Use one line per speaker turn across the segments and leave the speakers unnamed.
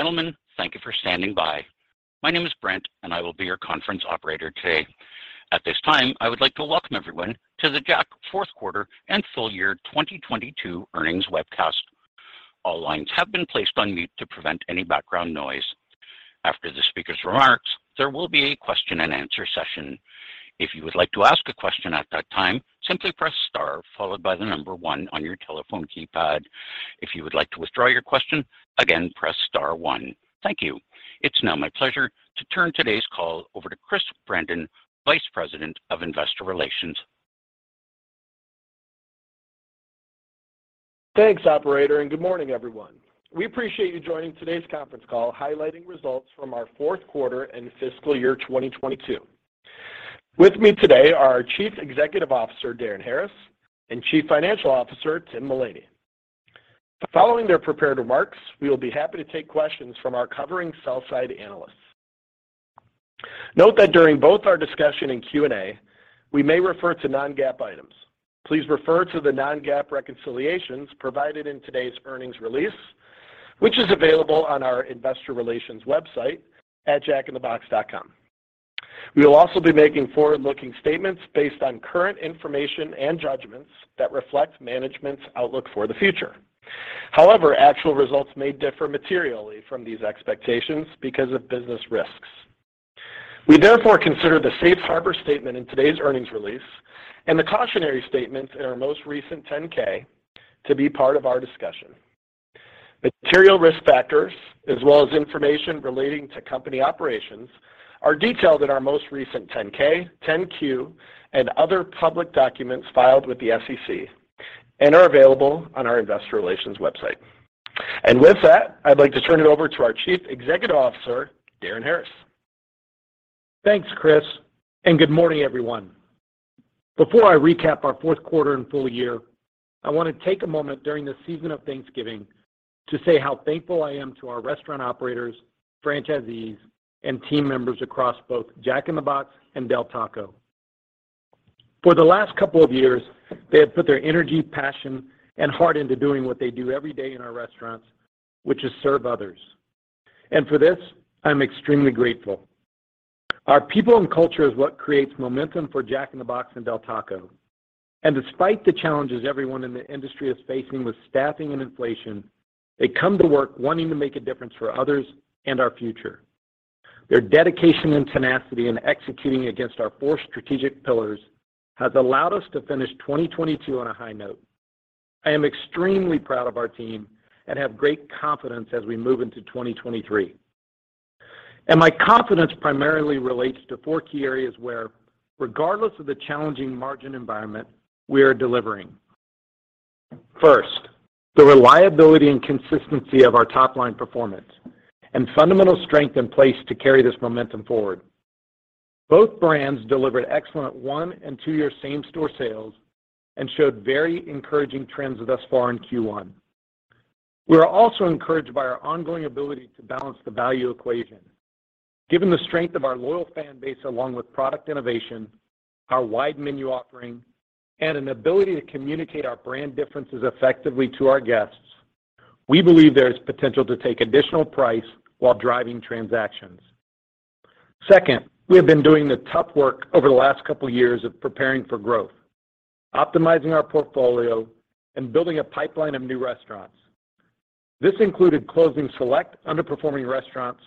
Ladies and gentlemen, thank you for standing by. My name is Brent and I will be your conference operator today. At this time, I would like to welcome everyone to the Jack fourth quarter and full year 2022 earnings webcast. All lines have been placed on mute to prevent any background noise. After the speaker's remarks, there will be a question-and-answer session. If you would like to ask a question at that time, simply press star followed by the number one on your telephone keypad. If you would like to withdraw your question, again, press star one. Thank you. It's now my pleasure to turn today's call over to Chris Brandon, Vice President of Investor Relations.
Thanks operator. Good morning everyone. We appreciate you joining today's conference call highlighting results from our fourth quarter and fiscal year 2022. With me today are our Chief Executive Officer, Darin Harris, and Chief Financial Officer, Tim Mullany. Following their prepared remarks, we will be happy to take questions from our covering sell-side analysts. Note that during both our discussion and Q&A, we may refer to non-GAAP items. Please refer to the non-GAAP reconciliations provided in today's earnings release, which is available on our investor relations website at investors.jackinthebox.com. We will also be making forward-looking statements based on current information and judgments that reflect management's outlook for the future. Actual results may differ materially from these expectations because of business risks. We therefore consider the safe harbor statement in today's earnings release and the cautionary statements in our most recent 10-K to be part of our discussion. Material risk factors as well as information relating to company operations are detailed in our most recent 10-K, 10-Q, and other public documents filed with the SEC and are available on our investor relations website. With that, I'd lie to turn it over to our Chief Executive Officer, Darin Harris.
Thanks, Chris. Good morning everyone. Before I recap our fourth quarter and full year, I want to take a moment during this season of Thanksgiving to say how thankful I am to our restaurant operators, franchisees, and team members across both Jack in the Box and Del Taco. For the last couple of years, they have put their energy, passion, and heart into doing what they do every day in our restaurants, which is serve others. For this, I'm extremely grateful. Our people and culture is what creates momentum for Jack in the Box and Del Taco. Despite the challenges everyone in the industry is facing with staffing and inflation, they come to work wanting to make a difference for others and our future. Their dedication and tenacity in executing against our four strategic pillars has allowed us to finish 2022 on a high note. I am extremely proud of our team and have great confidence as we move into 2023. My confidence primarily relates to four key areas where regardless of the challenging margin environment, we are delivering. First, the reliability and consistency of our top-line performance and fundamental strength in place to carry this momentum forward. Both brands delivered excellent one and two-year same-store sales and showed very encouraging trends thus far in Q1. We are also encouraged by our ongoing ability to balance the value equation. Given the strength of our loyal fan base along with product innovation, our wide menu offering, and an ability to communicate our brand differences effectively to our guests, we believe there is potential to take additional price while driving transactions. We have been doing the tough work over the last couple years of preparing for growth, optimizing our portfolio, and building a pipeline of new restaurants. This included closing select underperforming restaurants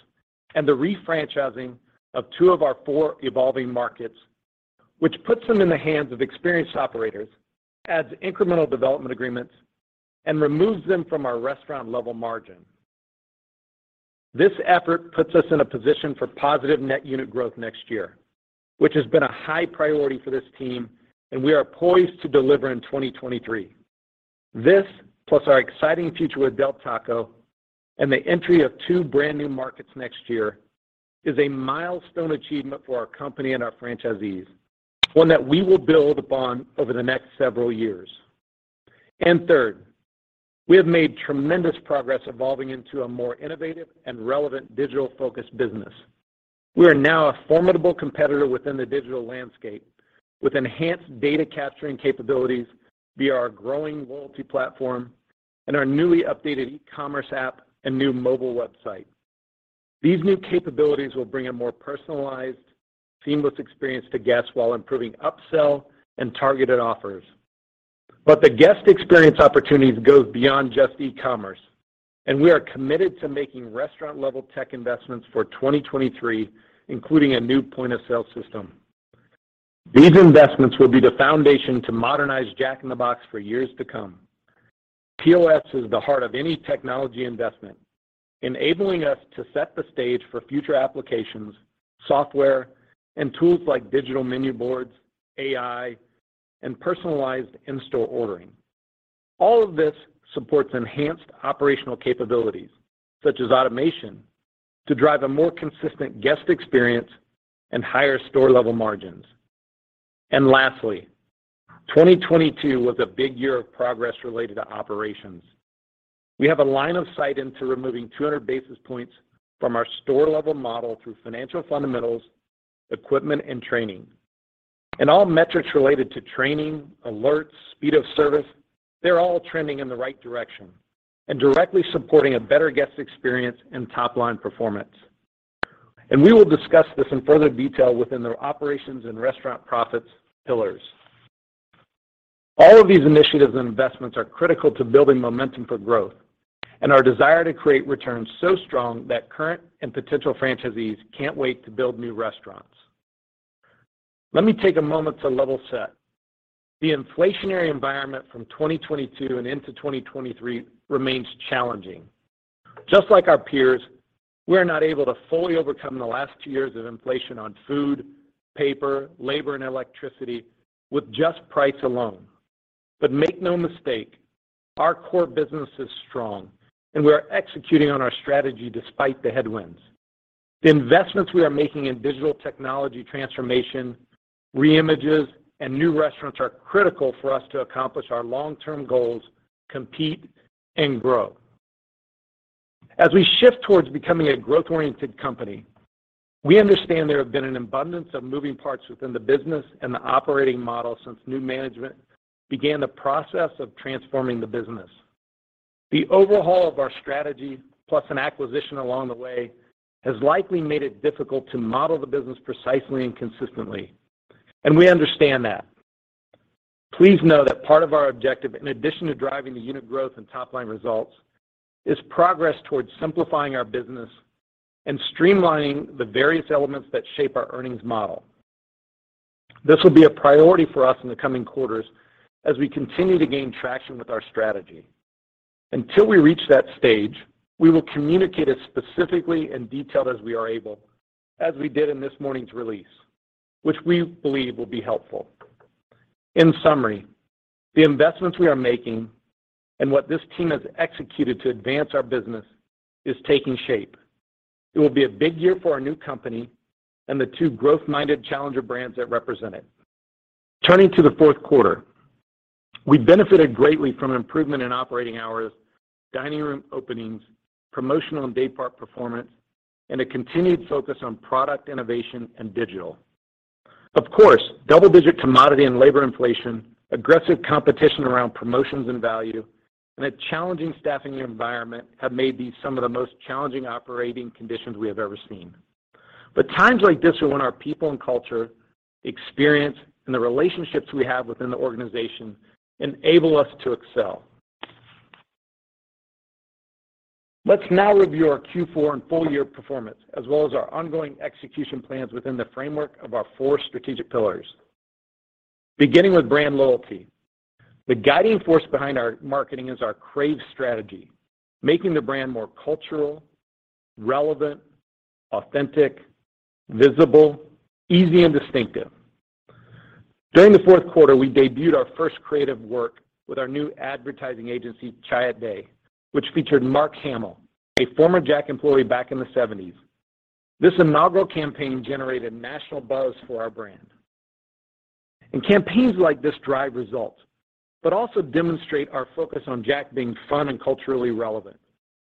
and the refranchising of two of our four evolving markets, which puts them in the hands of experienced operators, adds incremental development agreements, and removes them from our restaurant level margin. This effort puts us in a position for positive net unit growth next year, which has been a high priority for this team, and we are poised to deliver in 2023. This plus our exciting future with Del Taco and the entry of two brand-new markets next year is a milestone achievement for our company and our franchisees. One that we will build upon over the next several years. Third, we have made tremendous progress evolving into a more innovative and relevant digital-focused business. We are now a formidable competitor within the digital landscape with enhanced data capturing capabilities via our growing loyalty platform and our newly updated e-commerce app and new mobile website. These new capabilities will bring a more personalized, seamless experience to guests while improving upsell and targeted offers. The guest experience opportunities goes beyond just e-commerce, and we are committed to making restaurant-level tech investments for 2023, including a new point-of-sale system. These investments will be the foundation to modernize Jack in the Box for years to come. POS is the heart of any technology investment, enabling us to set the stage for future applications, software, and tools like digital menu boards, AI, and personalized in-store ordering. All of this supports enhanced operational capabilities, such as automation, to drive a more consistent guest experience and higher store-level margins. Lastly, 2022 was a big year of progress related to operations. We have a line of sight into removing 200 basis points from our store-level model through financial fundamentals, equipment, and training. All metrics related to training, alerts, speed of service, they're all trending in the right direction and directly supporting a better guest experience and top-line performance. We will discuss this in further detail within their operations and restaurant profits pillars. All of these initiatives and investments are critical to building momentum for growth and our desire to create returns so strong that current and potential franchisees can't wait to build new restaurants. Let me take a moment to level set. The inflationary environment from 2022 and into 2023 remains challenging. Just like our peers, we are not able to fully overcome the last two years of inflation on food, paper, labor, and electricity with just price alone. Make no mistake, our core business is strong, and we are executing on our strategy despite the headwinds. The investments we are making in digital technology transformation, reimages, and new restaurants are critical for us to accomplish our long-term goals, compete, and grow. As we shift towards becoming a growth-oriented company, we understand there have been an abundance of moving parts within the business and the operating model since new management began the process of transforming the business. The overhaul of our strategy, plus an acquisition along the way, has likely made it difficult to model the business precisely and consistently, and we understand that. Please know that part of our objective, in addition to driving the unit growth and top-line results, is progress towards simplifying our business and streamlining the various elements that shape our earnings model. This will be a priority for us in the coming quarters as we continue to gain traction with our strategy. Until we reach that stage, we will communicate as specifically and detailed as we are able, as we did in this morning's release, which we believe will be helpful. In summary, the investments we are making and what this team has executed to advance our business is taking shape. It will be a big year for our new company and the two growth-minded challenger brands that represent it. Turning to the fourth quarter. We benefited greatly from an improvement in operating hours, dining room openings, promotional and day part performance, and a continued focus on product innovation and digital. Of course, double-digit commodity and labor inflation, aggressive competition around promotions and value, and a challenging staffing environment have made these some of the most challenging operating conditions we have ever seen. Times like this are when our people and culture, experience, and the relationships we have within the organization enable us to excel. Let's now review our Q4 and full year performance, as well as our ongoing execution plans within the framework of our four strategic pillars. Beginning with brand loyalty. The guiding force behind our marketing is our CRAVE strategy, making the brand more cultural, relevant, authentic, visible, easy and distinctive. During the fourth quarter, we debuted our first creative work with our new advertising agency, Chiat\Day, which featured Mark Hamill, a former Jack employee back in the '70s. Campaigns like this drive results, but also demonstrate our focus on Jack being fun and culturally relevant.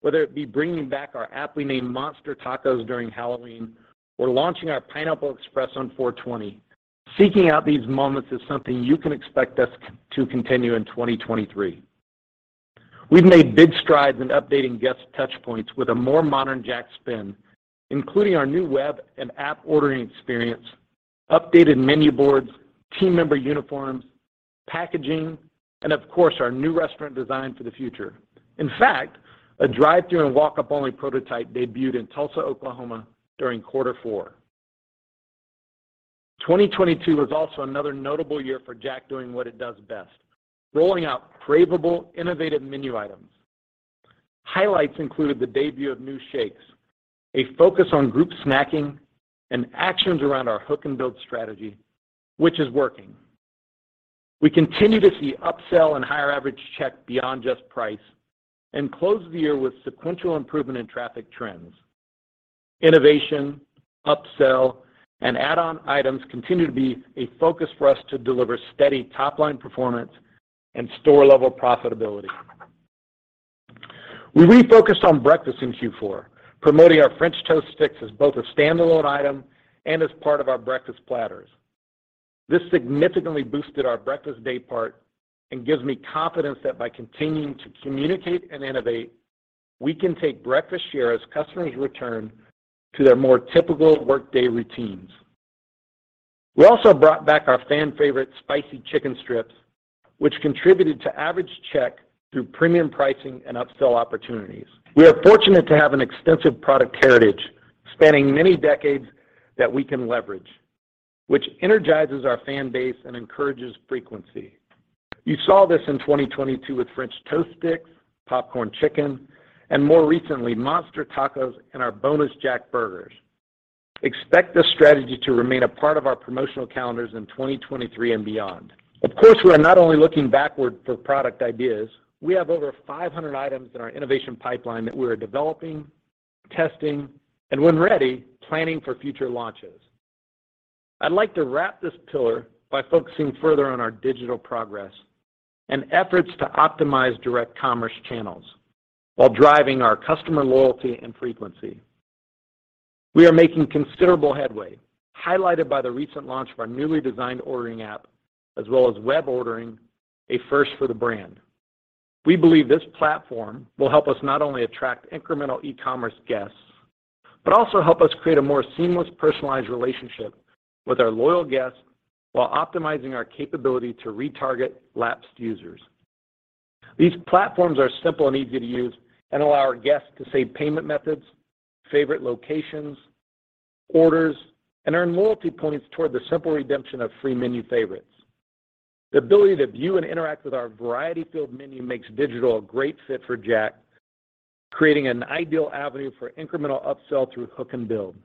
Whether it be bringing back our aptly named Monster Tacos during Halloween or launching our Pineapple Express on 4/20, seeking out these moments is something you can expect us to continue in 2023. We've made big strides in updating guest touch points with a more modern Jack spin, including our new web and app ordering experience, updated menu boards, team member uniforms, packaging, and of course, our new restaurant design for the future. In fact, a drive-thru and walk-up only prototype debuted in Tulsa, Oklahoma during quarter four. 2022 was also another notable year for Jack doing what it does best, rolling out cravable innovative menu items. Highlights included the debut of new shakes, a focus on group snacking, and actions around our hook-and-build strategy, which is working. We continue to see upsell and higher average check beyond just price and closed the year with sequential improvement in traffic trends. Innovation, upsell, and add-on items continue to be a focus for us to deliver steady top-line performance and store-level profitability. We refocused on breakfast in Q4, promoting our French Toast Sticks as both a standalone item and as part of our breakfast platters. This significantly boosted our breakfast day part and gives me confidence that by continuing to communicate and innovate, we can take breakfast share as customers return to their more typical workday routines. We also brought back our fan favorite Spicy Chicken Strips, which contributed to average check through premium pricing and upsell opportunities. We are fortunate to have an extensive product heritage spanning many decades that we can leverage, which energizes our fan base and encourages frequency. You saw this in 2022 with French Toast Sticks, Popcorn Chicken, and more recently, Monster Tacos and our Bonus Jack Burgers. Expect this strategy to remain a part of our promotional calendars in 2023 and beyond. Of course, we are not only looking backward for product ideas. We have over 500 items in our innovation pipeline that we are developing, testing, and when ready, planning for future launches. I'd like to wrap this pillar by focusing further on our digital progress and efforts to optimize direct commerce channels while driving our customer loyalty and frequency. We are making considerable headway, highlighted by the recent launch of our newly designed ordering app, as well as web ordering, a first for the brand. We believe this platform will help us not only attract incremental e-commerce guests, but also help us create a more seamless, personalized relationship with our loyal guests while optimizing our capability to retarget lapsed users. These platforms are simple and easy to use and allow our guests to save payment methods, favorite locations, orders, and earn loyalty points toward the simple redemption of free menu favorites. The ability to view and interact with our variety-filled menu makes digital a great fit for Jack, creating an ideal avenue for incremental upsell through hook-and-build.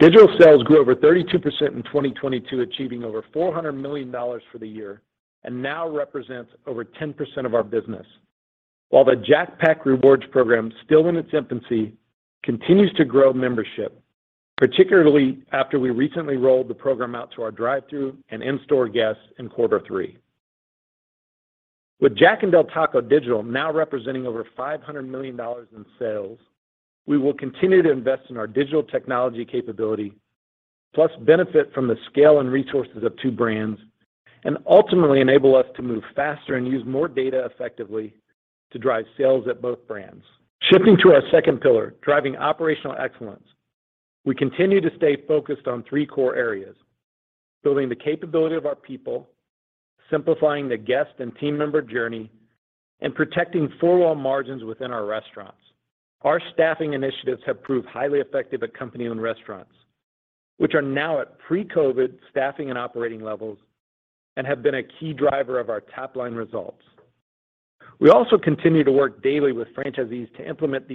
Digital sales grew over 32% in 2022, achieving over $400 million for the year, and now represents over 10% of our business. While The Jack Pack rewards program, still in its infancy, continues to grow membership, particularly after we recently rolled the program out to our drive-thru and in-store guests in Q3. With Jack and Del Taco digital now representing over $500 million in sales, we will continue to invest in our digital technology capability, plus benefit from the scale and resources of two brands and ultimately enable us to move faster and use more data effectively to drive sales at both brands. Shifting to our second pillar, driving operational excellence. We continue to stay focused on three core areas: building the capability of our people, simplifying the guest and team member journey, and protecting four wall margins within our restaurants. Our staffing initiatives have proved highly effective at company-owned restaurants, which are now at pre-COVID staffing and operating levels and have been a key driver of our top-line results. We also continue to work daily with franchise these to implement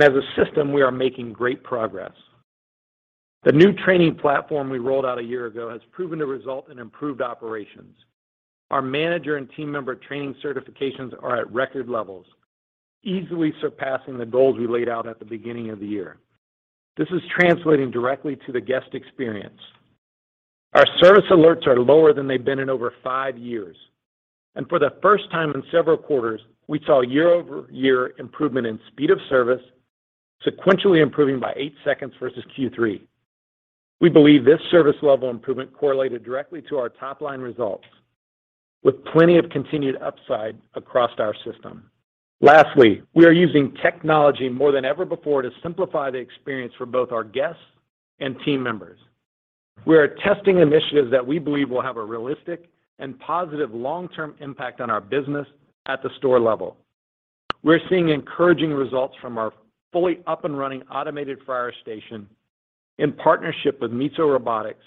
as a system, we are making great progress. The new training platform we rolled out a year ago has proven to result in improved operations. Our manager and team member training certifications are at record levels, easily surpassing the goals we laid out at the beginning of the year. This is translating directly to the guest experience. Our service alerts are lower than they've been in over five years. For the first time in several quarters, we saw year-over-year improvement in speed of service, sequentially improving by 8 seconds versus Q3. We believe this service level improvement correlated directly to our top-line results with plenty of continued upside across our system. Lastly, we are using technology more than ever before to simplify the experience for both our guests and team members. We are testing initiatives that we believe will have a realistic and positive long-term impact on our business at the store level. We're seeing encouraging results from our fully up and running automated fryer station in partnership with Miso Robotics.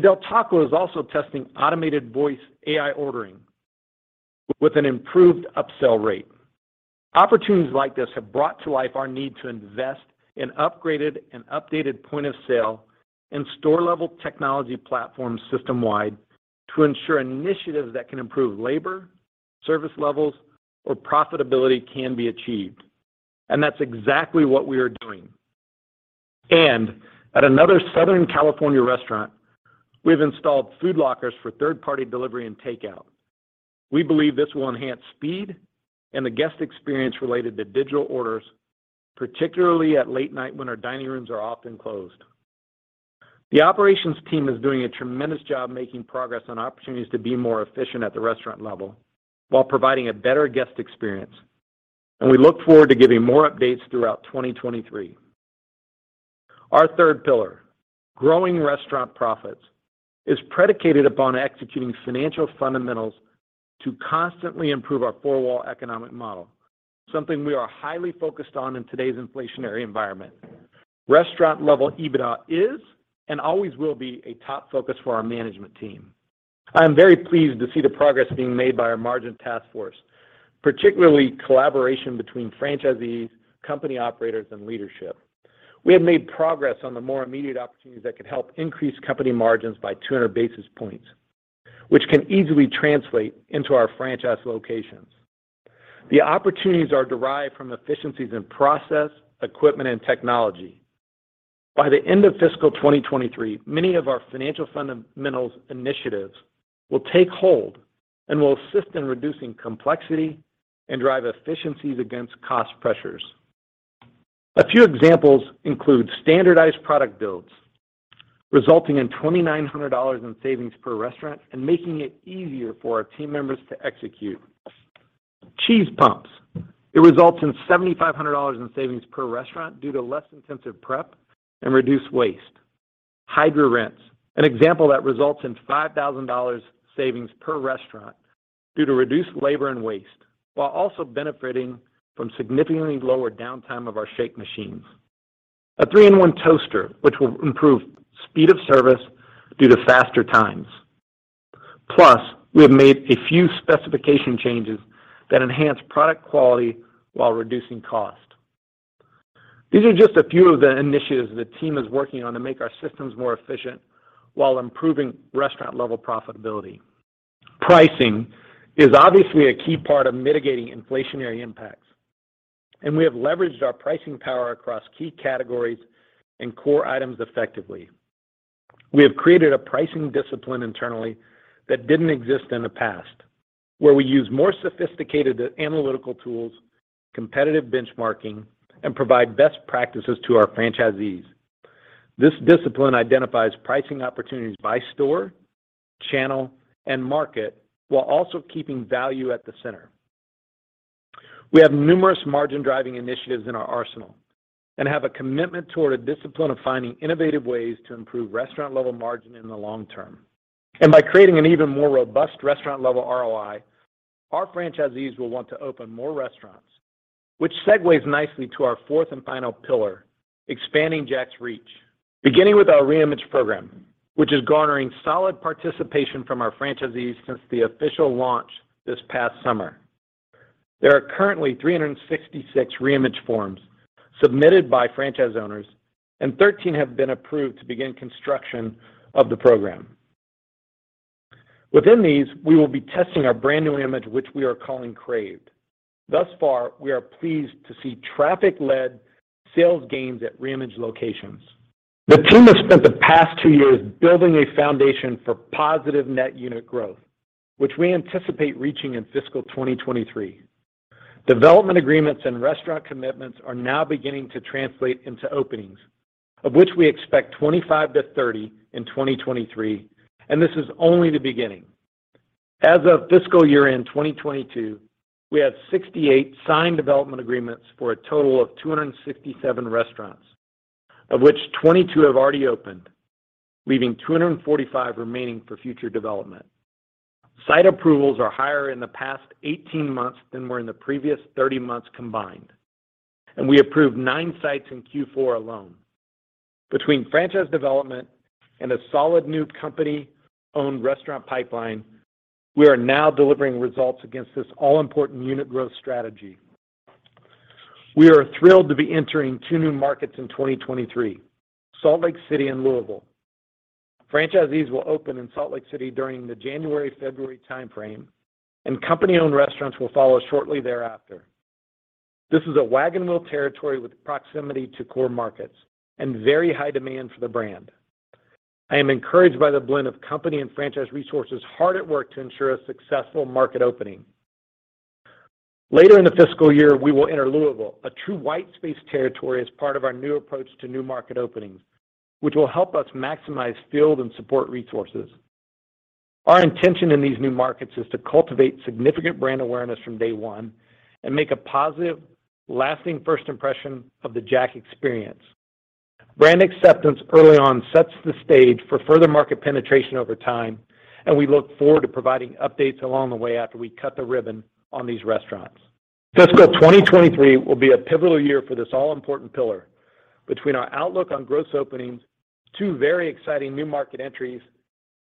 Del Taco is also testing automated voice AI ordering with an improved upsell rate. Opportunities like this have brought to life our need to invest in upgraded and updated point of sale and store-level technology platforms system-wide to ensure initiatives that can improve labor, service levels, or profitability can be achieved. That's exactly what we are doing. At another Southern California restaurant, we have installed food lockers for third-party delivery and takeout. We believe this will enhance speed and the guest experience related to digital orders, particularly at late night when our dining rooms are often closed. The operations team is doing a tremendous job making progress on opportunities to be more efficient at the restaurant level while providing a better guest experience. We look forward to giving more updates throughout 2023. Our third pillar, growing restaurant profits, is predicated upon executing financial fundamentals to constantly improve our four-wall economic model, something we are highly focused on in today's inflationary environment. Restaurant level EBITDA is and always will be a top focus for our management team. I am very pleased to see the progress being made by our margin task force, particularly collaboration between franchisees, company operators, and leadership. We have made progress on the more immediate opportunities that could help increase company margins by 200 basis points, which can easily translate into our franchise locations. The opportunities are derived from efficiencies in process, equipment, and technology. By the end of fiscal 2023, many of our financial fundamentals initiatives will take hold and will assist in reducing complexity and drive efficiencies against cost pressures. A few examples include standardized product builds, resulting in $2,900 in savings per restaurant and making it easier for our team members to execute. Cheese pumps. It results in $7,500 in savings per restaurant due to less intensive prep and reduced waste. Hydra Rinse, an example that results in $5,000 savings per restaurant due to reduced labor and waste, while also benefiting from significantly lower downtime of our shake machines. A three-in-one toaster, which will improve speed of service due to faster times. We have made a few specification changes that enhance product quality while reducing cost. These are just a few of the initiatives the team is working on to make our systems more efficient while improving restaurant-level profitability. Pricing is obviously a key part of mitigating inflationary impacts, and we have leveraged our pricing power across key categories and core items effectively. We have created a pricing discipline internally that didn't exist in the past, where we use more sophisticated analytical tools, competitive benchmarking, and provide best practices to our franchisees. This discipline identifies pricing opportunities by store, channel, and market while also keeping value at the center. We have numerous margin-driving initiatives in our arsenal and have a commitment toward a discipline of finding innovative ways to improve restaurant-level margin in the long term. By creating an even more robust restaurant-level ROI, our franchisees will want to open more restaurants, which segues nicely to our fourth and final pillar, expanding Jack's reach. Beginning with our reimage program, which is garnering solid participation from our franchisees since the official launch this past summer. There are currently 366 reimage forms submitted by franchise owners, and 13 have been approved to begin construction of the program. Within these, we will be testing our brand new image, which we are calling CRAVED. Thus far, we are pleased to see traffic-led sales gains at reimage locations. The team has spent the past two years building a foundation for positive net unit growth, which we anticipate reaching in fiscal 2023. Development agreements and restaurant commitments are now beginning to translate into openings, of which we expect 25 to 30 in 2023 this is only the beginning. As of fiscal year-end 2022, we have 68 signed development agreements for a total of 267 restaurants, of which 22 have already opened, leaving 245 remaining for future development. Site approvals are higher in the past 18 months than were in the previous 30 months combined. We approved nine sites in Q4 alone. Between franchise development and a solid new company-owned restaurant pipeline, we are now delivering results against this all-important unit growth strategy. We are thrilled to be entering two new markets in 2023, Salt Lake City and Louisville. Franchisees will open in Salt Lake City during the January-February timeframe. Company-owned restaurants will follow shortly thereafter. This is a wagon wheel territory with proximity to core markets and very high demand for the brand. I am encouraged by the blend of company and franchise resources hard at work to ensure a successful market opening. Later in the fiscal year, we will enter Louisville, a true white space territory as part of our new approach to new market openings, which will help us maximize field and support resources. Our intention in these new markets is to cultivate significant brand awareness from day one and make a positive, lasting first impression of the Jack experience. Brand acceptance early on sets the stage for further market penetration over time. We look forward to providing updates along the way after we cut the ribbon on these restaurants. Fiscal 2023 will be a pivotal year for this all-important pillar. Between our outlook on gross openings, two very exciting new market entries,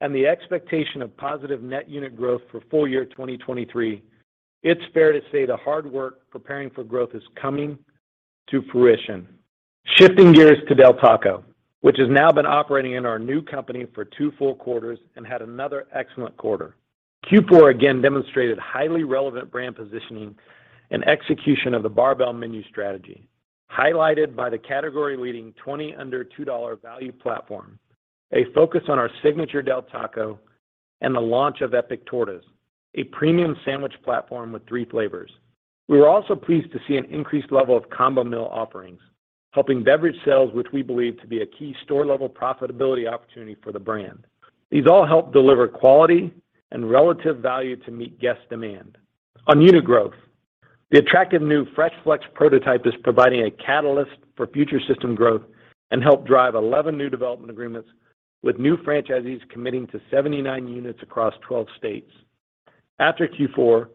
and the expectation of positive net unit growth for full year 2023, it's fair to say the hard work preparing for growth is coming to fruition. Shifting gears to Del Taco, which has now been operating in our new company for two full quarters and had another excellent quarter. Q4 again demonstrated highly relevant brand positioning and execution of the barbell menu strategy, highlighted by the category-leading 20 Under $2 value platform, a focus on our signature Del Taco, and the launch of Epic Tortas, a premium sandwich platform with three flavors. We were also pleased to see an increased level of combo meal offerings, helping beverage sales, which we believe to be a key store-level profitability opportunity for the brand. These all help deliver quality and relative value to meet guest demand. On unit growth, the attractive new Fresh Flex prototype is providing a catalyst for future system growth and helped drive 11 new development agreements with new franchisees committing to 79 units across 12 states. After Q4,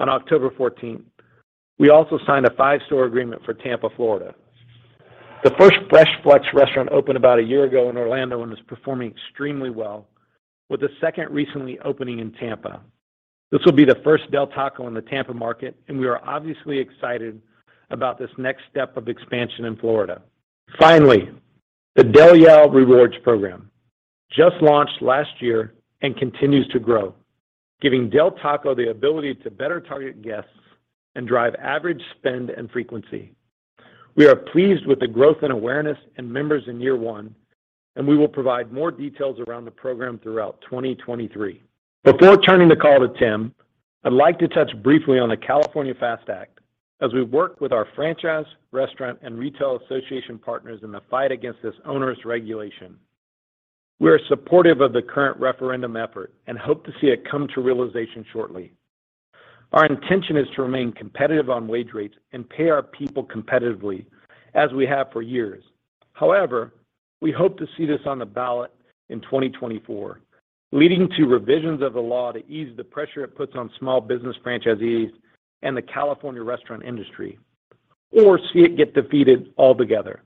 on October fourteenth, we also signed a five-store agreement for Tampa, Florida. The first Fresh Flex restaurant opened about a year ago in Orlando and is performing extremely well, with a second recently opening in Tampa. This will be the first Del Taco in the Tampa market, and we are obviously excited about this next step of expansion in Florida. Finally, the Del Yeah! Rewards program just launched last year and continues to grow, giving Del Taco the ability to better target guests and drive average spend and frequency. We are pleased with the growth in awareness and members in year 1, and we will provide more details around the program throughout 2023. Before turning the call to Tim, I'd like to touch briefly on the California FAST Act as we've worked with our franchise, restaurant, and retail association partners in the fight against this onerous regulation. We are supportive of the current referendum effort and hope to see it come to realization shortly. Our intention is to remain competitive on wage rates and pay our people competitively, as we have for years. We hope to see this on the ballot in 2024, leading to revisions of the law to ease the pressure it puts on small business franchisees and the California Restaurant Industry, or see it get defeated altogether.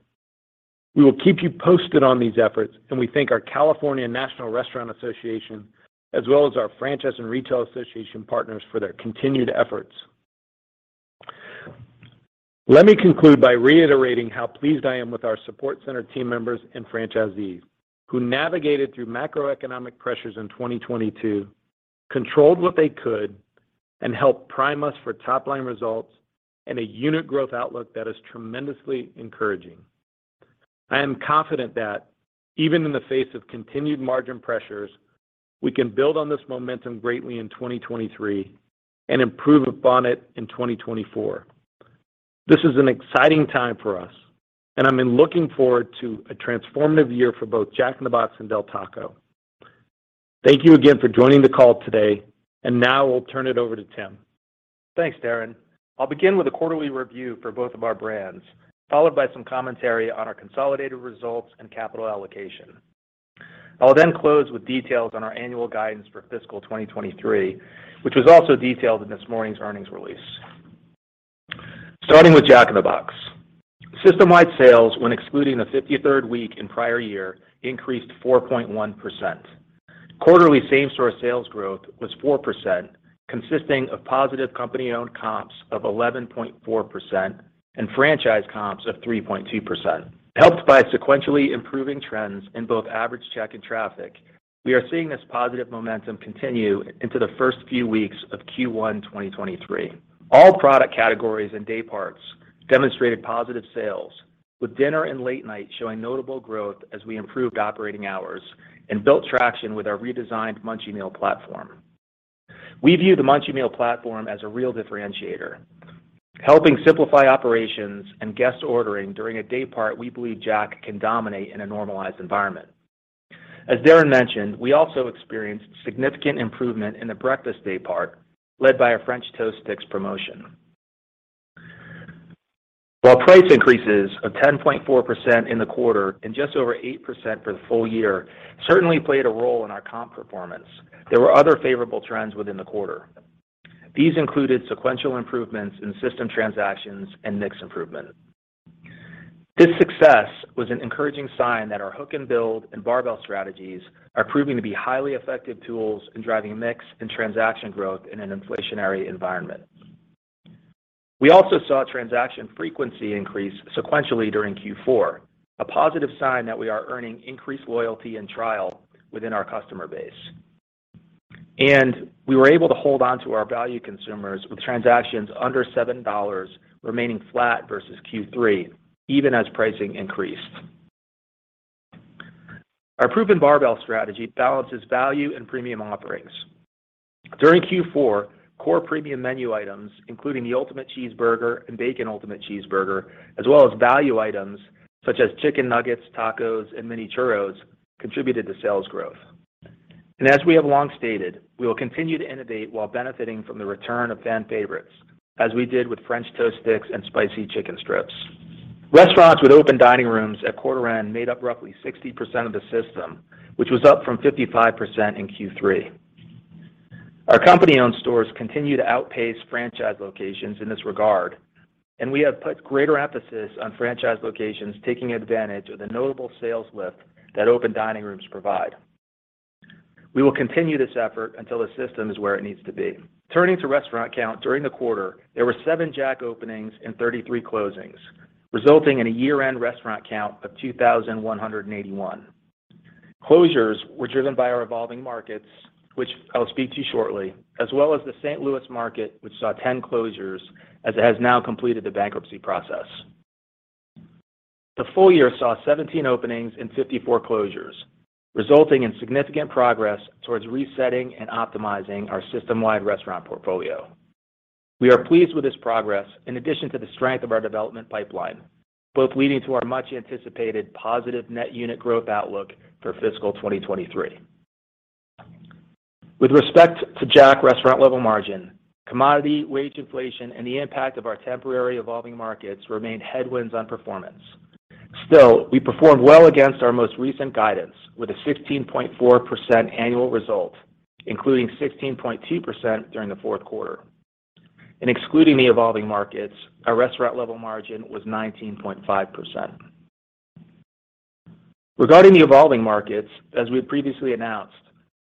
We will keep you posted on these efforts, and we thank our California National Restaurant Association, as well as our franchise and retail association partners for their continued efforts. Let me conclude by reiterating how pleased I am with our support center team members and franchisees who navigated through macroeconomic pressures in 2022, controlled what they could and help prime us for top line results and a unit growth outlook that is tremendously encouraging. I am confident that even in the face of continued margin pressures, we can build on this momentum greatly in 2023 and improve upon it in 2024. This is an exciting time for us, and I'm looking forward to a transformative year for both Jack in the Box and Del Taco. Thank you again for joining the call today. Now I'll turn it over to Tim.
Thanks Darin. I'll begin with a quarterly review for both of our brands, followed by some commentary on our consolidated results and capital allocation. I'll then close with details on our annual guidance for fiscal 2023, which was also detailed in this morning's earnings release. Starting with Jack in the Box. System-wide sales when excluding the 53rd week in prior year increased 4.1%. Quarterly same-store sales growth was 4%, consisting of positive company-owned comps of 11.4% and franchise comps of 3.2%. Helped by sequentially improving trends in both average check and traffic, we are seeing this positive momentum continue into the first few weeks of Q1 2023. All product categories and day parts demonstrated positive sales, with dinner and late night showing notable growth as we improved operating hours and built traction with our redesigned Munchie Meal platform. We view the Munchie Meal platform as a real differentiator, helping simplify operations and guest ordering during a day part we believe Jack can dominate in a normalized environment. As Darin mentioned, we also experienced significant improvement in the breakfast day part, led by our French Toast Sticks promotion. While price increases of 10.4% in the quarter and just over 8% for the full year certainly played a role in our comp performance, there were other favorable trends within the quarter. These included sequential improvements in system transactions and mix improvement. This success was an encouraging sign that our hook-and-build and barbell strategies are proving to be highly effective tools in driving mix and transaction growth in an inflationary environment. We also saw transaction frequency increase sequentially during Q4, a positive sign that we are earning increased loyalty and trial within our customer base. We were able to hold on to our value consumers with transactions under $7 remaining flat versus Q3, even as pricing increased. Our proven barbell strategy balances value and premium offerings. During Q4, core premium menu items, including the Ultimate Cheeseburger and Bacon Ultimate Cheeseburger, as well as value items such as chicken nuggets, tacos, and mini churros, contributed to sales growth. As we have long stated, we will continue to innovate while benefiting from the return of fan favorites, as we did with French Toast Sticks and Spicy Chicken Strips. Restaurants with open dining rooms at quarter end made up roughly 60% of the system, which was up from 55% in Q3. Our company-owned stores continue to outpace franchise locations in this regard, and we have put greater emphasis on franchise locations taking advantage of the notable sales lift that open dining rooms provide. We will continue this effort until the system is where it needs to be. Turning to restaurant count during the quarter, there were seven Jack openings and 33 closings, resulting in a year-end restaurant count of 2,181. Closures were driven by our evolving markets, which I will speak to shortly, as well as the St. Louis market, which saw 10 closures, as it has now completed the bankruptcy process. The full year saw 17 openings and 54 closures, resulting in significant progress towards resetting and optimizing our system-wide restaurant portfolio. We are pleased with this progress in addition to the strength of our development pipeline, both leading to our much-anticipated positive net unit growth outlook for fiscal 2023. With respect to Jack restaurant-level margin, commodity wage inflation and the impact of our temporary evolving markets remain headwinds on performance. Still, we performed well against our most recent guidance, with a 16.4% annual result, including 16.2% during the fourth quarter. Excluding the evolving markets, our restaurant-level margin was 19.5%. Regarding the evolving markets, as we had previously announced,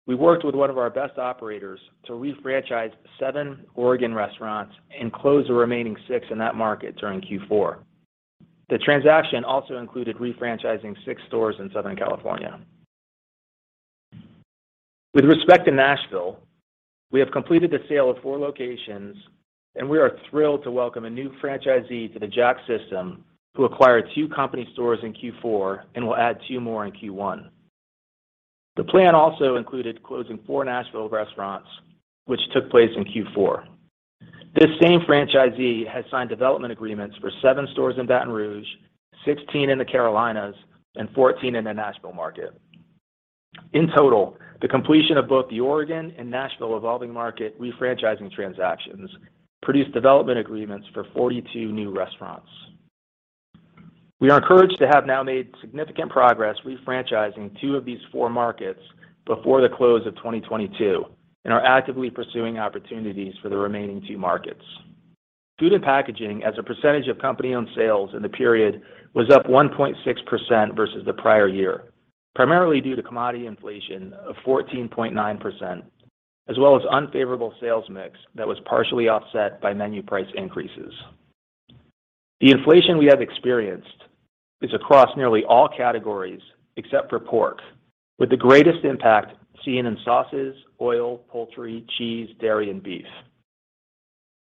we worked with one of our best operators to refranchise seven Oregon restaurants and close the remaining six in that market during Q4. The transaction also included refranchising six stores in Southern California. With respect to Nashville, we have completed the sale of four locations, we are thrilled to welcome a new franchisee to the Jack system who acquired two company stores in Q4 and will add two more in Q1. The plan also included closing four Nashville restaurants, which took place in Q4. This same franchisee has signed development agreements for seven stores in Baton Rouge, 16 in the Carolinas, and 14 in the Nashville market. In total, the completion of both the Oregon and Nashville evolving market refranchising transactions produced development agreements for 42 new restaurants. We are encouraged to have now made significant progress refranchising two of these four markets before the close of 2022 and are actively pursuing opportunities for the remaining two markets. Food and packaging as a percentage of company-owned sales in the period was up 1.6% versus the prior year, primarily due to commodity inflation of 14.9%, as well as unfavorable sales mix that was partially offset by menu price increases. The inflation we have experienced is across nearly all categories except for pork, with the greatest impact seen in sauces, oil, poultry, cheese, dairy, and beef.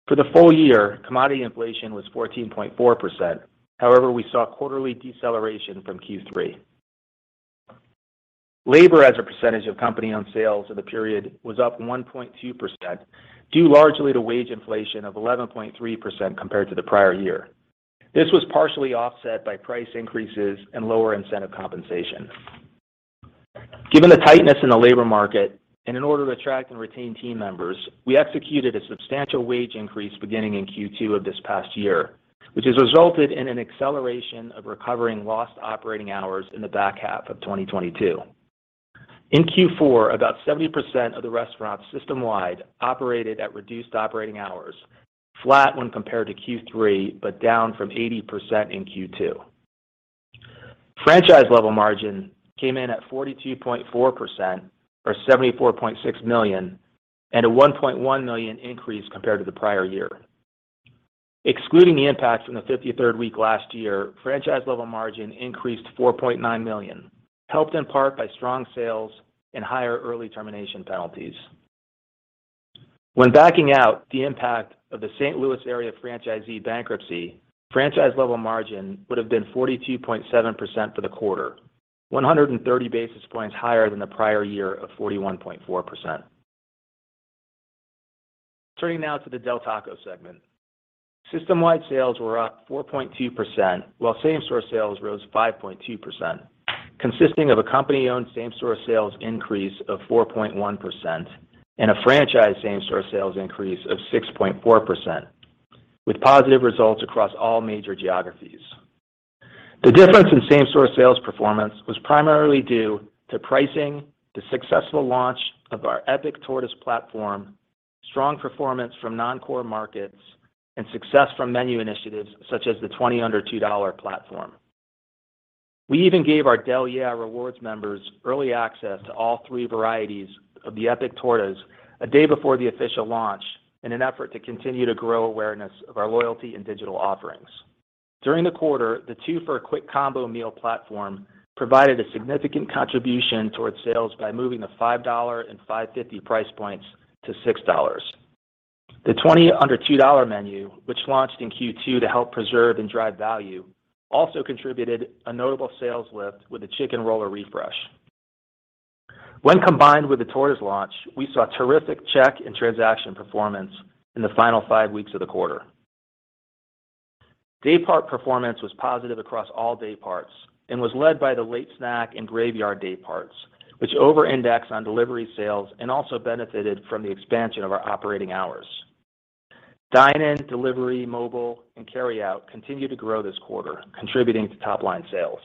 For the full year, commodity inflation was 14.4%. We saw quarterly deceleration from Q3. Labor as a percentage of company on sales of the period was up 1.2% due largely to wage inflation of 11.3% compared to the prior year. This was partially offset by price increases and lower incentive compensation. Given the tightness in the labor market and in order to attract and retain team members, we executed a substantial wage increase beginning in Q2 of this past year, which has resulted in an acceleration of recovering lost operating hours in the back half of 2022. In Q4, about 70% of the restaurant system-wide operated at reduced operating hours, flat when compared to Q3, but down from 80% in Q2. Franchise level margin came in at 42.4% or $74.6 million, and a $1.1 million increase compared to the prior year. Excluding the impact from the 53rd week last year, franchise level margin increased to $4.9 million, helped in part by strong sales and higher early termination penalties. When backing out the impact of the St. Louis area franchisee bankruptcy, franchise level margin would have been 42.7% for the quarter, 130 basis points higher than the prior year of 41.4%. Turning now to the Del Taco segment. System-wide sales were up 4.2%, while same-store sales rose 5.2%, consisting of a company-owned same-store sales increase of 4.1% and a franchise same-store sales increase of 6.4%, with positive results across all major geographies. The difference in same-store sales performance was primarily due to pricing, the successful launch of our Epic Tortas platform, strong performance from non-core markets, and success from menu initiatives such as the 20 Under $2 platform. We even gave our Del Yeah! Rewards members early access to all three varieties of the Epic Tortas a day before the official launch in an effort to continue to grow awareness of our loyalty and digital offerings. During the quarter, the Two For a Quick Combo Meal platform provided a significant contribution towards sales by moving the $5 and $5.50 price points to $6. The 20 Under $2 menu, which launched in Q2 to help preserve and drive value, also contributed a notable sales lift with a chicken roller refresh. When combined with the Tortas launch, we saw terrific check and transaction performance in the final five weeks of the quarter. Day part performance was positive across all day parts and was led by the late snack and graveyard day parts, which over-indexed on delivery sales and also benefited from the expansion of our operating hours. Dine-in, delivery, mobile, and carry-out continued to grow this quarter, contributing to top line sales.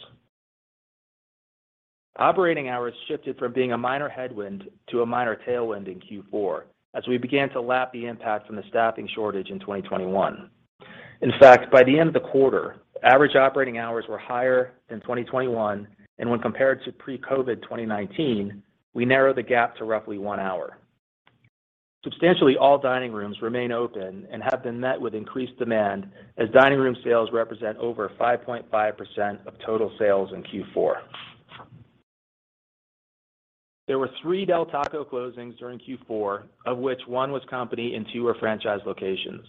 Operating hours shifted from being a minor headwind to a minor tailwind in Q4 as we began to lap the impact from the staffing shortage in 2021. In fact, by the end of the quarter, average operating hours were higher than 2021, and when compared to pre-COVID 2019, we narrowed the gap to roughly 1 hour. Substantially all dining rooms remain open and have been met with increased demand as dining room sales represent over 5.5% of total sales in Q4. There were three Del Taco closings during Q4, of which one was company and two were franchise locations.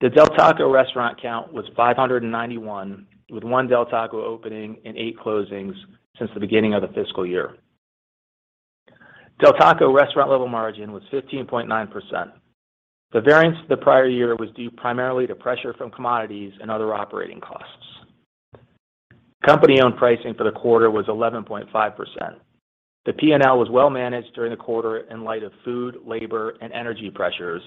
The Del Taco restaurant count was 591, with one Del Taco opening and eight closings since the beginning of the fiscal year. Del Taco restaurant level margin was 15.9%. The variance the prior year was due primarily to pressure from commodities and other operating costs. Company-owned pricing for the quarter was 11.5%. The P&L was well managed during the quarter in light of food, labor, and energy pressures,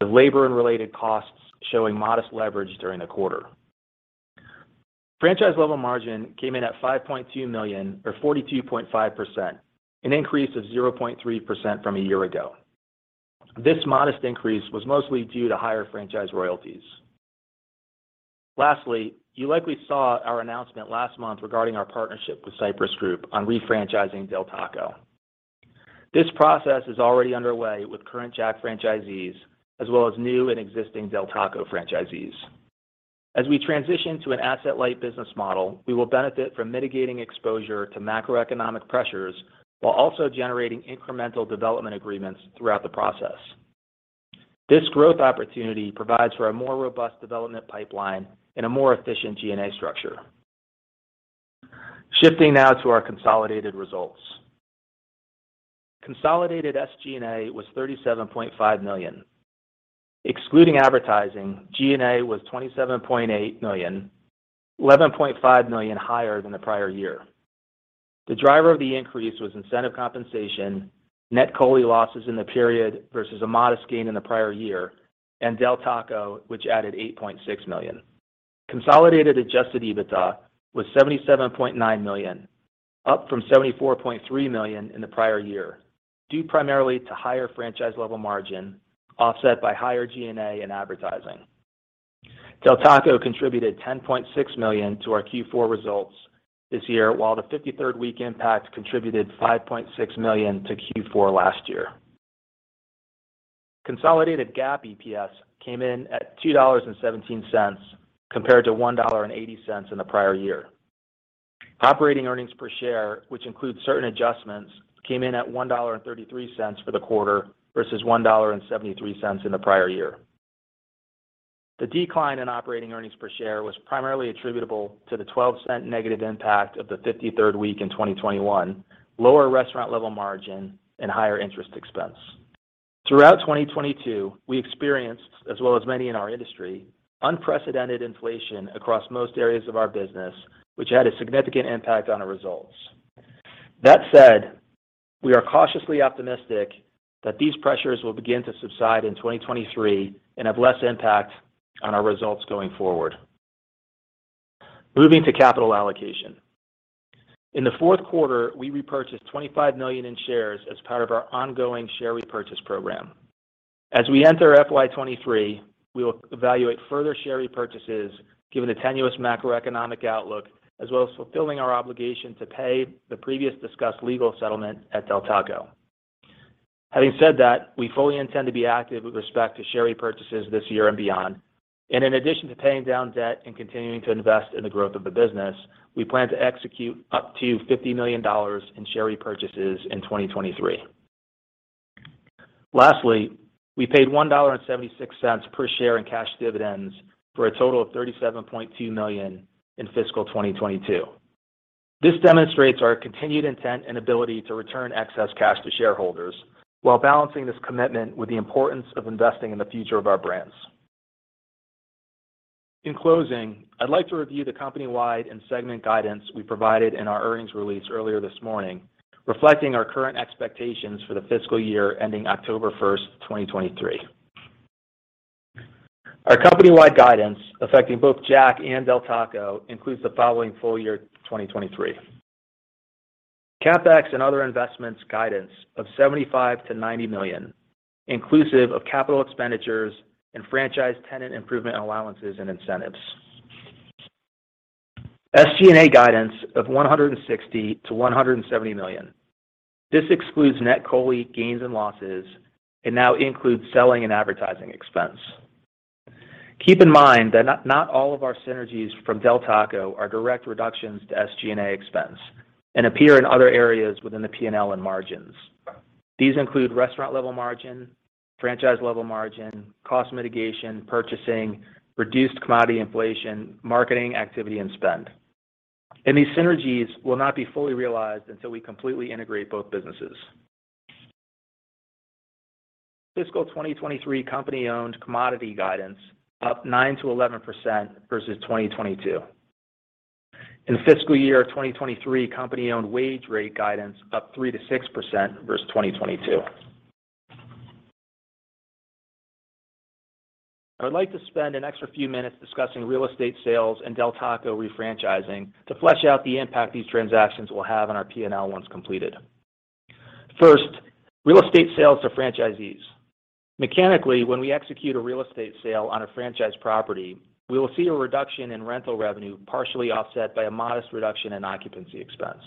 with labor and related costs showing modest leverage during the quarter. Franchise level margin came in at $5.2 million or 42.5%, an increase of 0.3% from a year ago. This modest increase was mostly due to higher franchise royalties. Lastly, you likely saw our announcement last month regarding our partnership with The Cypress Group on refranchising Del Taco. This process is already underway with current Jack franchisees, as well as new and existing Del Taco franchisees. As we transition to an asset light business model, we will benefit from mitigating exposure to macroeconomic pressures while also generating incremental development agreements throughout the process. This growth opportunity provides for a more robust development pipeline and a more efficient G&A structure. Shifting now to our consolidated results. Consolidated SG&A was $37.5 million. Excluding advertising, G&A was $27.8 million, $11.5 million higher than the prior year. The driver of the increase was incentive compensation, net COLI losses in the period versus a modest gain in the prior year, and Del Taco, which added $8.6 million. Consolidated adjusted EBITDA was $77.9 million, up from $74.3 million in the prior year, due primarily to higher franchise level margin offset by higher G&A and advertising. Del Taco contributed $10.6 million to our Q4 results this year, while the 53rd week impact contributed $5.6 million to Q4 last year. Consolidated GAAP EPS came in at $2.17 compared to $1.80 in the prior year. Operating earnings per share, which includes certain adjustments, came in at $1.33 for the quarter versus $1.73 in the prior year. The decline in operating earnings per share was primarily attributable to the $0.12 negative impact of the 53rd week in 2021, lower restaurant level margin, and higher interest expense. Throughout 2022, we experienced, as well as many in our industry, unprecedented inflation across most areas of our business, which had a significant impact on our results. We are cautiously optimistic that these pressures will begin to subside in 2023 and have less impact on our results going forward. Moving to capital allocation. In the fourth quarter, we repurchased $25 million in shares as part of our ongoing share repurchase program. We enter FY 2023, we will evaluate further share repurchases given the tenuous macroeconomic outlook as well as fulfilling our obligation to pay the previous discussed legal settlement at Del Taco. Having said that, we fully intend to be active with respect to share repurchases this year and beyond. In addition to paying down debt and continuing to invest in the growth of the business, we plan to execute up to $50 million in share repurchases in 2023. Lastly, we paid $1.76 per share in cash dividends for a total of $37.2 million in fiscal 2022. This demonstrates our continued intent and ability to return excess cash to shareholders while balancing this commitment with the importance of investing in the future of our brands. In closing, I'd like to review the company-wide and segment guidance we provided in our earnings release earlier this morning, reflecting our current expectations for the fiscal year ending October 1st, 2023. Our company-wide guidance, affecting both Jack and Del Taco, includes the following full year, 2023. CapEx and other investments guidance of $75 million-$90 million, inclusive of capital expenditures and franchise tenant improvement allowances and incentives. SG&A guidance of $160 million-$170 million this excludes net COLI gains and losses and now includes selling and advertising expense. Keep in mind that not all of our synergies from Del Taco are direct reductions to SG&A expense and appear in other areas within the P&L and margins. These include restaurant level margin, franchise level margin, cost mitigation, purchasing, reduced commodity inflation, marketing activity, and spend. These synergies will not be fully realized until we completely integrate both businesses. Fiscal 2023 company-owned commodity guidance up 9%-11% versus 2022. In fiscal year 2023, company-owned wage rate guidance up 3%-6% versus 2022. I would like to spend an extra few minutes discussing real estate sales and Del Taco refranchising to flesh out the impact these transactions will have on our P&L once completed. First, real estate sales to franchisees. Mechanically, when we execute a real estate sale on a franchise property, we will see a reduction in rental revenue partially offset by a modest reduction in occupancy expense.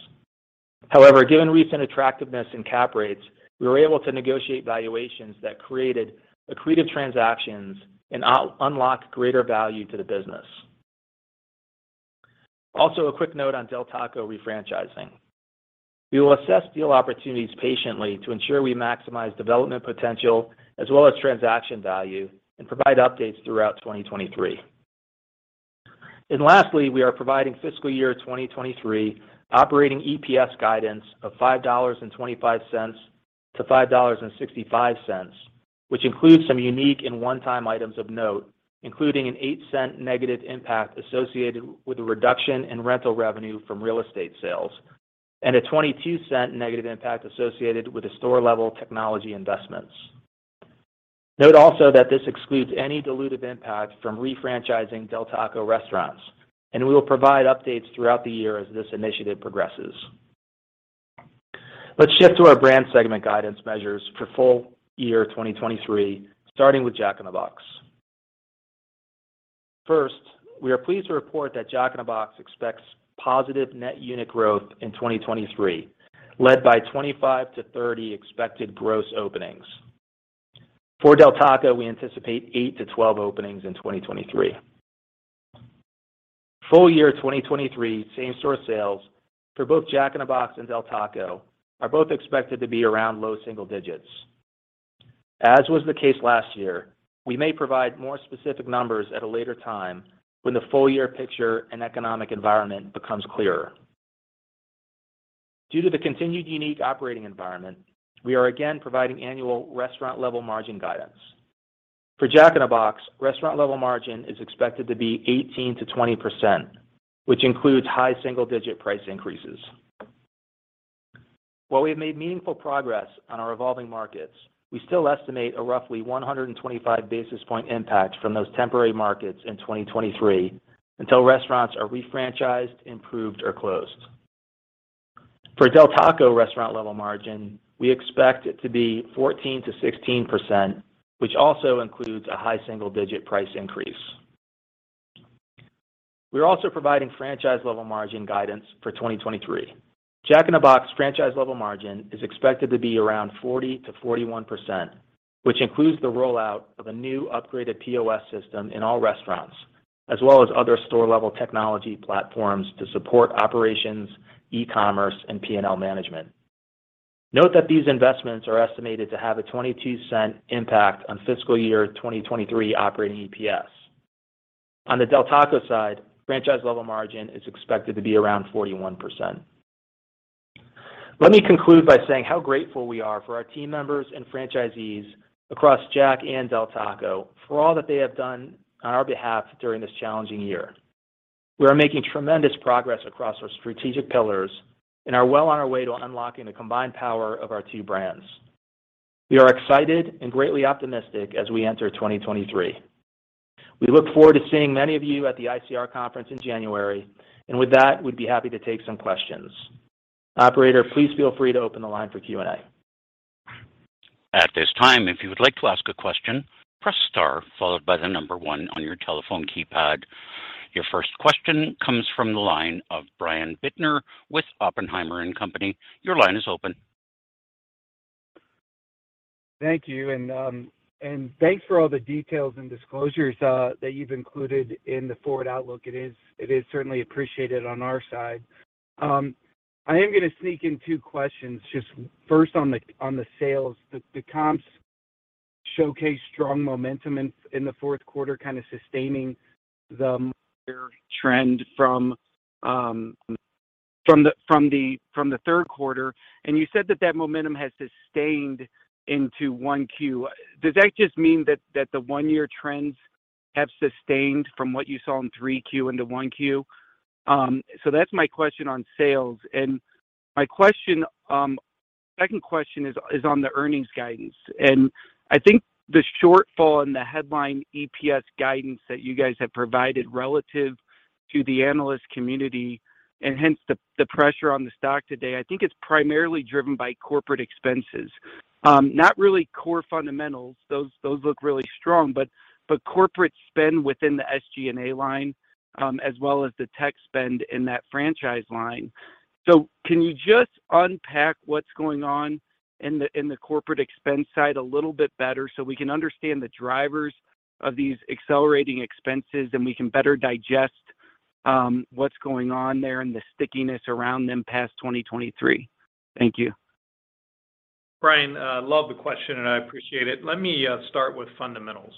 However, given recent attractiveness in cap rates, we were able to negotiate valuations that created accretive transactions and unlock greater value to the business. A quick note on Del Taco refranchising. We will assess deal opportunities patiently to ensure we maximize development potential as well as transaction value and provide updates throughout 2023. Lastly, we are providing fiscal year 2023 operating EPS guidance of $5.25-$5.65, which includes some unique and one-time items of note, including an $0.08 negative impact associated with a reduction in rental revenue from real estate sales and a $0.22 negative impact associated with the store level technology investments. Note also that this excludes any dilutive impact from refranchising Del Taco restaurants, and we will provide updates throughout the year as this initiative progresses. Let's shift to our brand segment guidance measures for full year 2023, starting with Jack in the Box. First, we are pleased to report that Jack in the Box expects positive net unit growth in 2023, led by 25-30 expected gross openings. For Del Taco, we anticipate eight-12 openings in 2023. Full year 2023 same store sales for both Jack in the Box and Del Taco are both expected to be around low single digits. As was the case last year, we may provide more specific numbers at a later time when the full year picture and economic environment becomes clearer. Due to the continued unique operating environment, we are again providing annual restaurant level margin guidance. For Jack in the Box, restaurant level margin is expected to be 18%-20%, which includes high single digit price increases. While we have made meaningful progress on our evolving markets, we still estimate a roughly 125 basis point impact from those temporary markets in 2023 until restaurants are refranchised, improved, or closed. For Del Taco restaurant level margin, we expect it to be 14%-16%, which also includes a high single digit price increase. We're also providing franchise level margin guidance for 2023. Jack in the Box franchise level margin is expected to be around 40%-41%, which includes the rollout of a new upgraded POS system in all restaurants, as well as other store level technology platforms to support operations, e-commerce, and P&L management. Note that these investments are estimated to have a $0.22 impact on fiscal year 2023 operating EPS. On the Del Taco side, franchise level margin is expected to be around 41%. Let me conclude by saying how grateful we are for our team members and franchisees across Jack and Del Taco for all that they have done on our behalf during this challenging year. We are making tremendous progress across our strategic pillars and are well on our way to unlocking the combined power of our two brands. We are excited and greatly optimistic as we enter 2023. We look forward to seeing many of you at the ICR conference in January. With that, we'd be happy to take some questions. Operator, please feel free to open the line for Q&A.
At this time, if you would like to ask a question, press star followed by the one on your telephone keypad. Your first question comes from the line of Brian Bittner with Oppenheimer & Co. Your line is open.
Thank you. Thanks for all the details and disclosures that you've included in the forward outlook. It is certainly appreciated on our side. I am gonna sneak in two questions. Just first on the sales. The comps showcase strong momentum in the fourth quarter, kind of sustaining the trend from the third quarter. You said that momentum has sustained into 1Q. Does that just mean that the one-year trends have sustained from what you saw in 3Q into 1Q? That's my question on sales. My question, second question is on the earnings guidance. I think the shortfall in the headline EPS guidance that you guys have provided relative to the analyst community, and hence the pressure on the stock today, I think it's primarily driven by corporate expenses. Not really core fundamentals. Those look really strong. Corporate spend within the SG&A line, as well as the tech spend in that franchise line. Can you just unpack what's going on in the corporate expense side a little bit better so we can understand the drivers of these accelerating expenses, and we can better digest what's going on there and the stickiness around them past 2023? Thank you.
Brian, love the question and I appreciate it. Let me start with fundamentals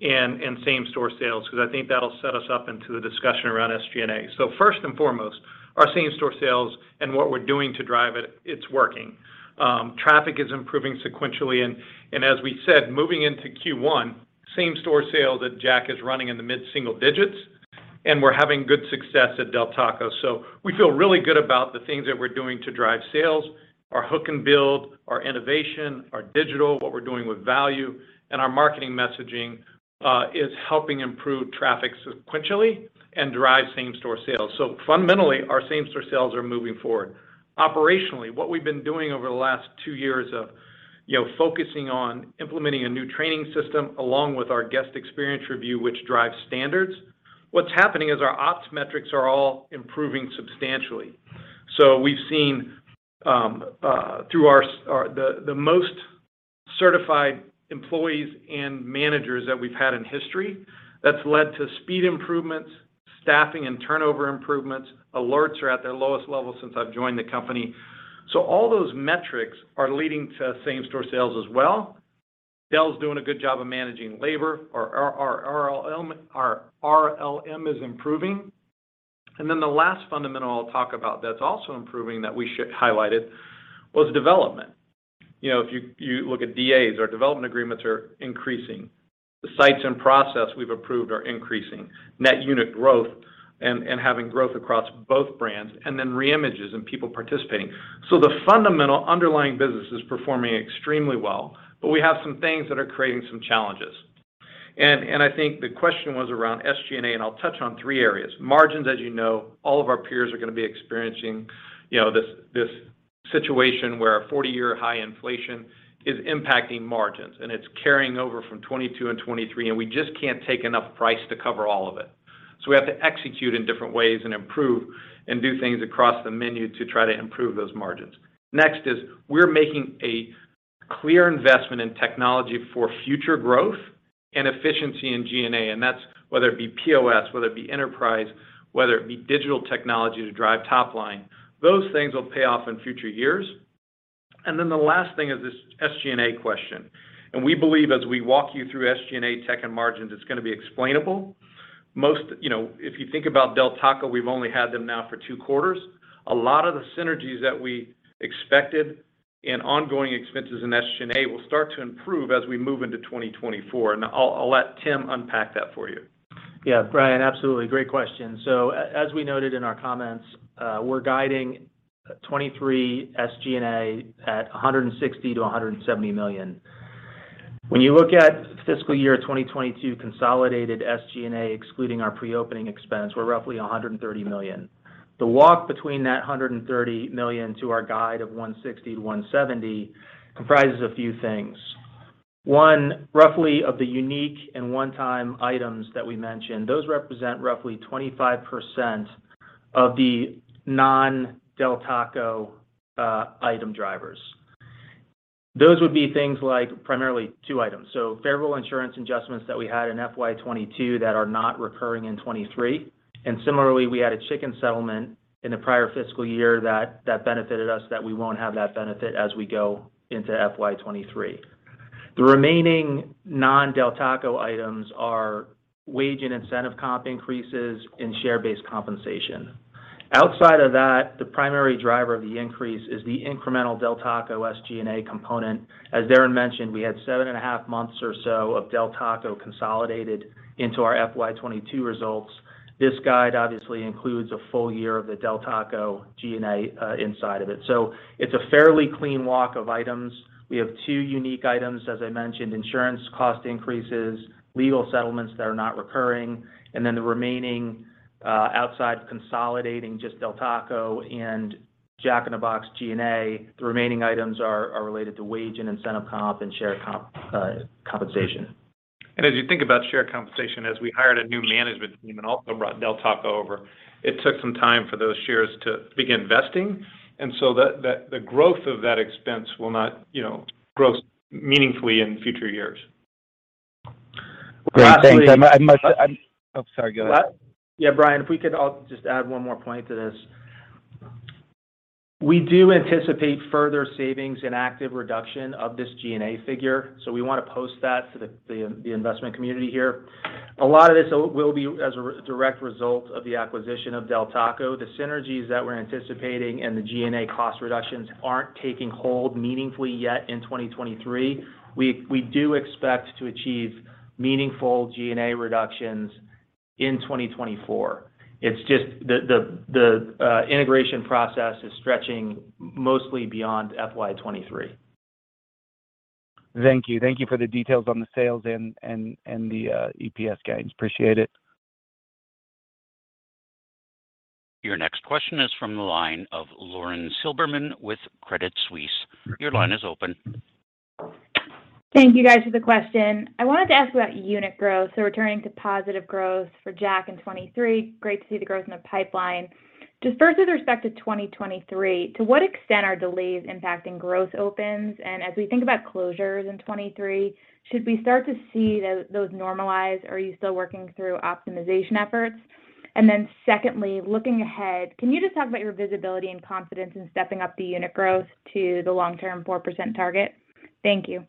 and same-store sales because I think that'll set us up into the discussion around SG&A. First and foremost, our same-store sales and what we're doing to drive it's working. Traffic is improving sequentially. As we said, moving into Q1, same-store sales at Jack is running in the mid-single digits, and we're having good success at Del Taco. We feel really good about the things that we're doing to drive sales. Our hook-and-build, our innovation, our digital, what we're doing with value, and our marketing messaging is helping improve traffic sequentially and drive same-store sales. Fundamentally, our same-store sales are moving forward. Operationally, what we've been doing over the last two years of, you know, focusing on implementing a new training system along with our guest experience review, which drives standards. What's happening is our ops metrics are all improving substantially. We've seen through the most certified employees and managers that we've had in history, that's led to speed improvements, staffing and turnover improvements. Alerts are at their lowest level since I've joined the company. All those metrics are leading to same-store sales as well. Del's doing a good job of managing labor. Our RLM is improving, the last fundamental I'll talk about that's also improving that we highlighted was development. You know, if you look at DAs, our development agreements are increasing. The sites and process we've approved are increasing. Net unit growth and having growth across both brands, then re-images and people participating. The fundamental underlying business is performing extremely well, but we have some things that are creating some challenges. I think the question was around SG&A, and I'll touch on three areas. Margins, as you know, all of our peers are going to be experiencing, you know, this situation where a 40-year high inflation is impacting margins, and it's carrying over from 2022 and 2023, and we just can't take enough price to cover all of it. We have to execute in different ways and improve and do things across the menu to try to improve those margins. Next is we're making a clear investment in technology for future growth and efficiency in G&A. That's whether it be POS, whether it be enterprise, whether it be digital technology to drive top line. Those things will pay off in future years. The last thing is this SG&A question. We believe as we walk you through SG&A tech and margins, it's going to be explainable. You know, if you think about Del Taco, we've only had them now for two quarters. A lot of the synergies that we expected and ongoing expenses in SG&A will start to improve as we move into 2024. I'll let Tim unpack that for you.
Yeah Brian, absolutely, great question. As we noted in our comments, we're guiding 2023 SG&A at $160 million-$170 million. When you look at fiscal year 2022 consolidated SG&A, excluding our pre-opening expense, we're roughly $130 million. The walk between that $130 million to our guide of $160 million-$170 million comprises a few things. One, roughly of the unique and one-time items that we mentioned, those represent roughly 25% of the non Del Taco item drivers. Those would be things like primarily two items. Favorable insurance adjustments that we had in FY 2022 that are not recurring in 2023. Similarly, we had a chicken settlement in the prior fiscal year that benefited us that we won't have that benefit as we go into FY 2023. The remaining non Del Taco items are wage and incentive comp increases and share-based compensation. Outside of that, the primary driver of the increase is the incremental Del Taco SG&A component. As Darin mentioned, we had seven and a half months or so of Del Taco consolidated into our FY 2022 results. This guide obviously includes a full year of the Del Taco G&A inside of it. It's a fairly clean walk of items, we have two unique items, as I mentioned, insurance cost increases, legal settlements that are not recurring, and then the remaining, outside consolidating just Del Taco and Jack in the Box G&A, the remaining items are related to wage and incentive comp and share compensation.
As you think about share compensation, as we hired a new management team and also brought Del Taco over, it took some time for those shares to begin vesting. The growth of that expense will not, you know, grow meaningfully in future years.
Great. Thanks. I must—
Lastly—
Oh, sorry. Go ahead.
Yeah Brian, if we could, I'll just add one more point to this. We do anticipate further savings and active reduction of this G&A figure, so we want to post that to the investment community here. A lot of this will be as a re-direct result of the acquisition of Del Taco. The synergies that we're anticipating and the G&A cost reductions aren't taking hold meaningfully yet in 2023. We do expect to achieve meaningful G&A reductions in 2024. It's just the integration process is stretching mostly beyond FY 2023.
Thank you for the details on the sales and the EPS guidance. Appreciate it.
Your next question is from the line of Lauren Silberman with Credit Suisse. Your line is open.
Thank you guys for the question. I wanted to ask about unit growth. Returning to positive growth for Jack in 2023. Great to see the growth in the pipeline. Just first with respect to 2023, to what extent are delays impacting growth opens? As we think about closures in 2023, should we start to see those normalize, or are you still working through optimization efforts? Secondly, looking ahead, can you just talk about your visibility and confidence in stepping up the unit growth to the long-term 4% target? Thank you.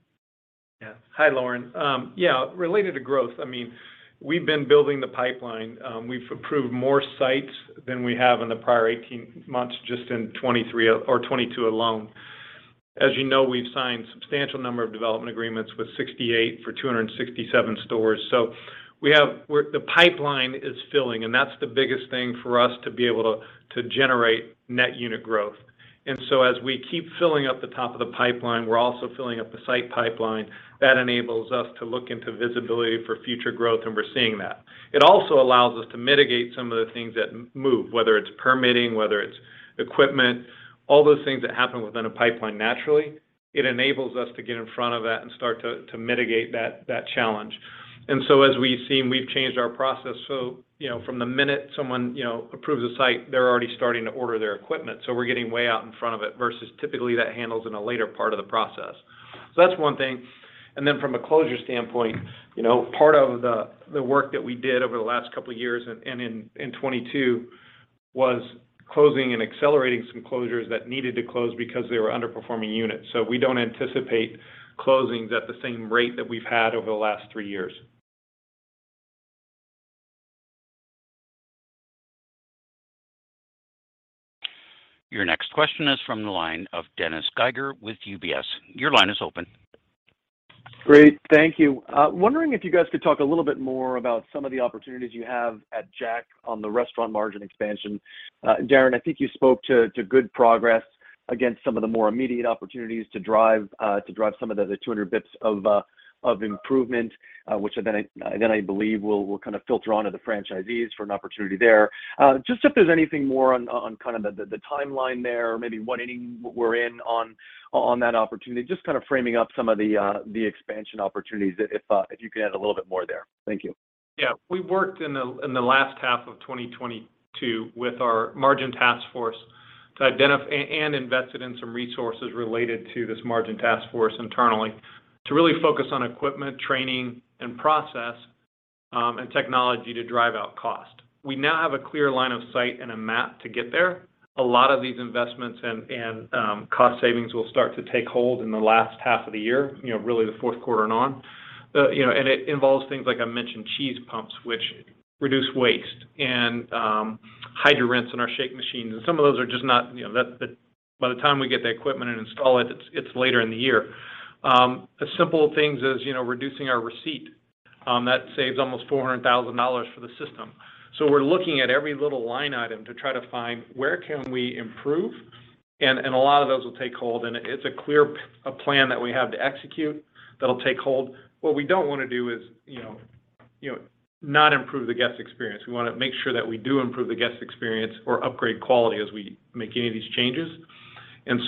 Yeah, hi Lauren. Yeah, related to growth, I mean, we've been building the pipeline. We've approved more sites than we have in the prior 18 months just in 2023 or 2022 alone. As you know, we've signed substantial number of development agreements with 68 for 267 stores. We're the pipeline is filling, and that's the biggest thing for us to be able to generate net unit growth. As we keep filling up the top of the pipeline, we're also filling up the site pipeline. That enables us to look into visibility for future growth, and we're seeing that. Also allows us to mitigate some of the things that move, whether it's permitting, whether it's equipment, all those things that happen within a pipeline naturally. It enables us to get in front of that and start to mitigate that challenge. As we've seen, we've changed our process. You know, from the minute someone, you know, approves a site, they're already starting to order their equipment. We're getting way out in front of it versus typically that handles in a later part of the process. That's one thing. Then from a closure standpoint, you know, part of the work that we did over the last couple of years and in 2022 was closing and accelerating some closures that needed to close because they were underperforming units. We don't anticipate closings at the same rate that we've had over the last three years.
Your next question is from the line of Dennis Geiger with UBS. Your line is open.
Great, thank you. Wondering if you guys could talk a little bit more about some of the opportunities you have at Jack on the restaurant margin expansion. Darin, I think you spoke to good progress against some of the more immediate opportunities to drive some of the 200 basis points of improvement, which then I believe will kind of filter onto the franchisees for an opportunity there. Just if there's anything more on kind of the timeline there or maybe what inning we're in on that opportunity. Just kind of framing up some of the expansion opportunities if you could add a little bit more there. Thank you.
We worked in the last half of 2022 with our margin task force and invested in some resources related to this margin task force internally to really focus on equipment, training, and process, and technology to drive out cost. We now have a clear line of sight and a map to get there. A lot of these investments and cost savings will start to take hold in the last half of the year, you know, really the fourth quarter and on. It involves things like I mentioned, cheese pumps, which reduce waste, and Hydra Rinse in our shake machines. Some of those are just not, you know, by the time we get the equipment and install it's later in the year. As simple things as, you know, reducing our receipt, that saves almost $400,000 for the system. We're looking at every little line item to try to find where can we improve? A lot of those will take hold. It's a clear plan that we have to execute that'll take hold. What we don't wanna do is. You know, not improve the guest experience. We wanna make sure that we do improve the guest experience or upgrade quality as we make any of these changes.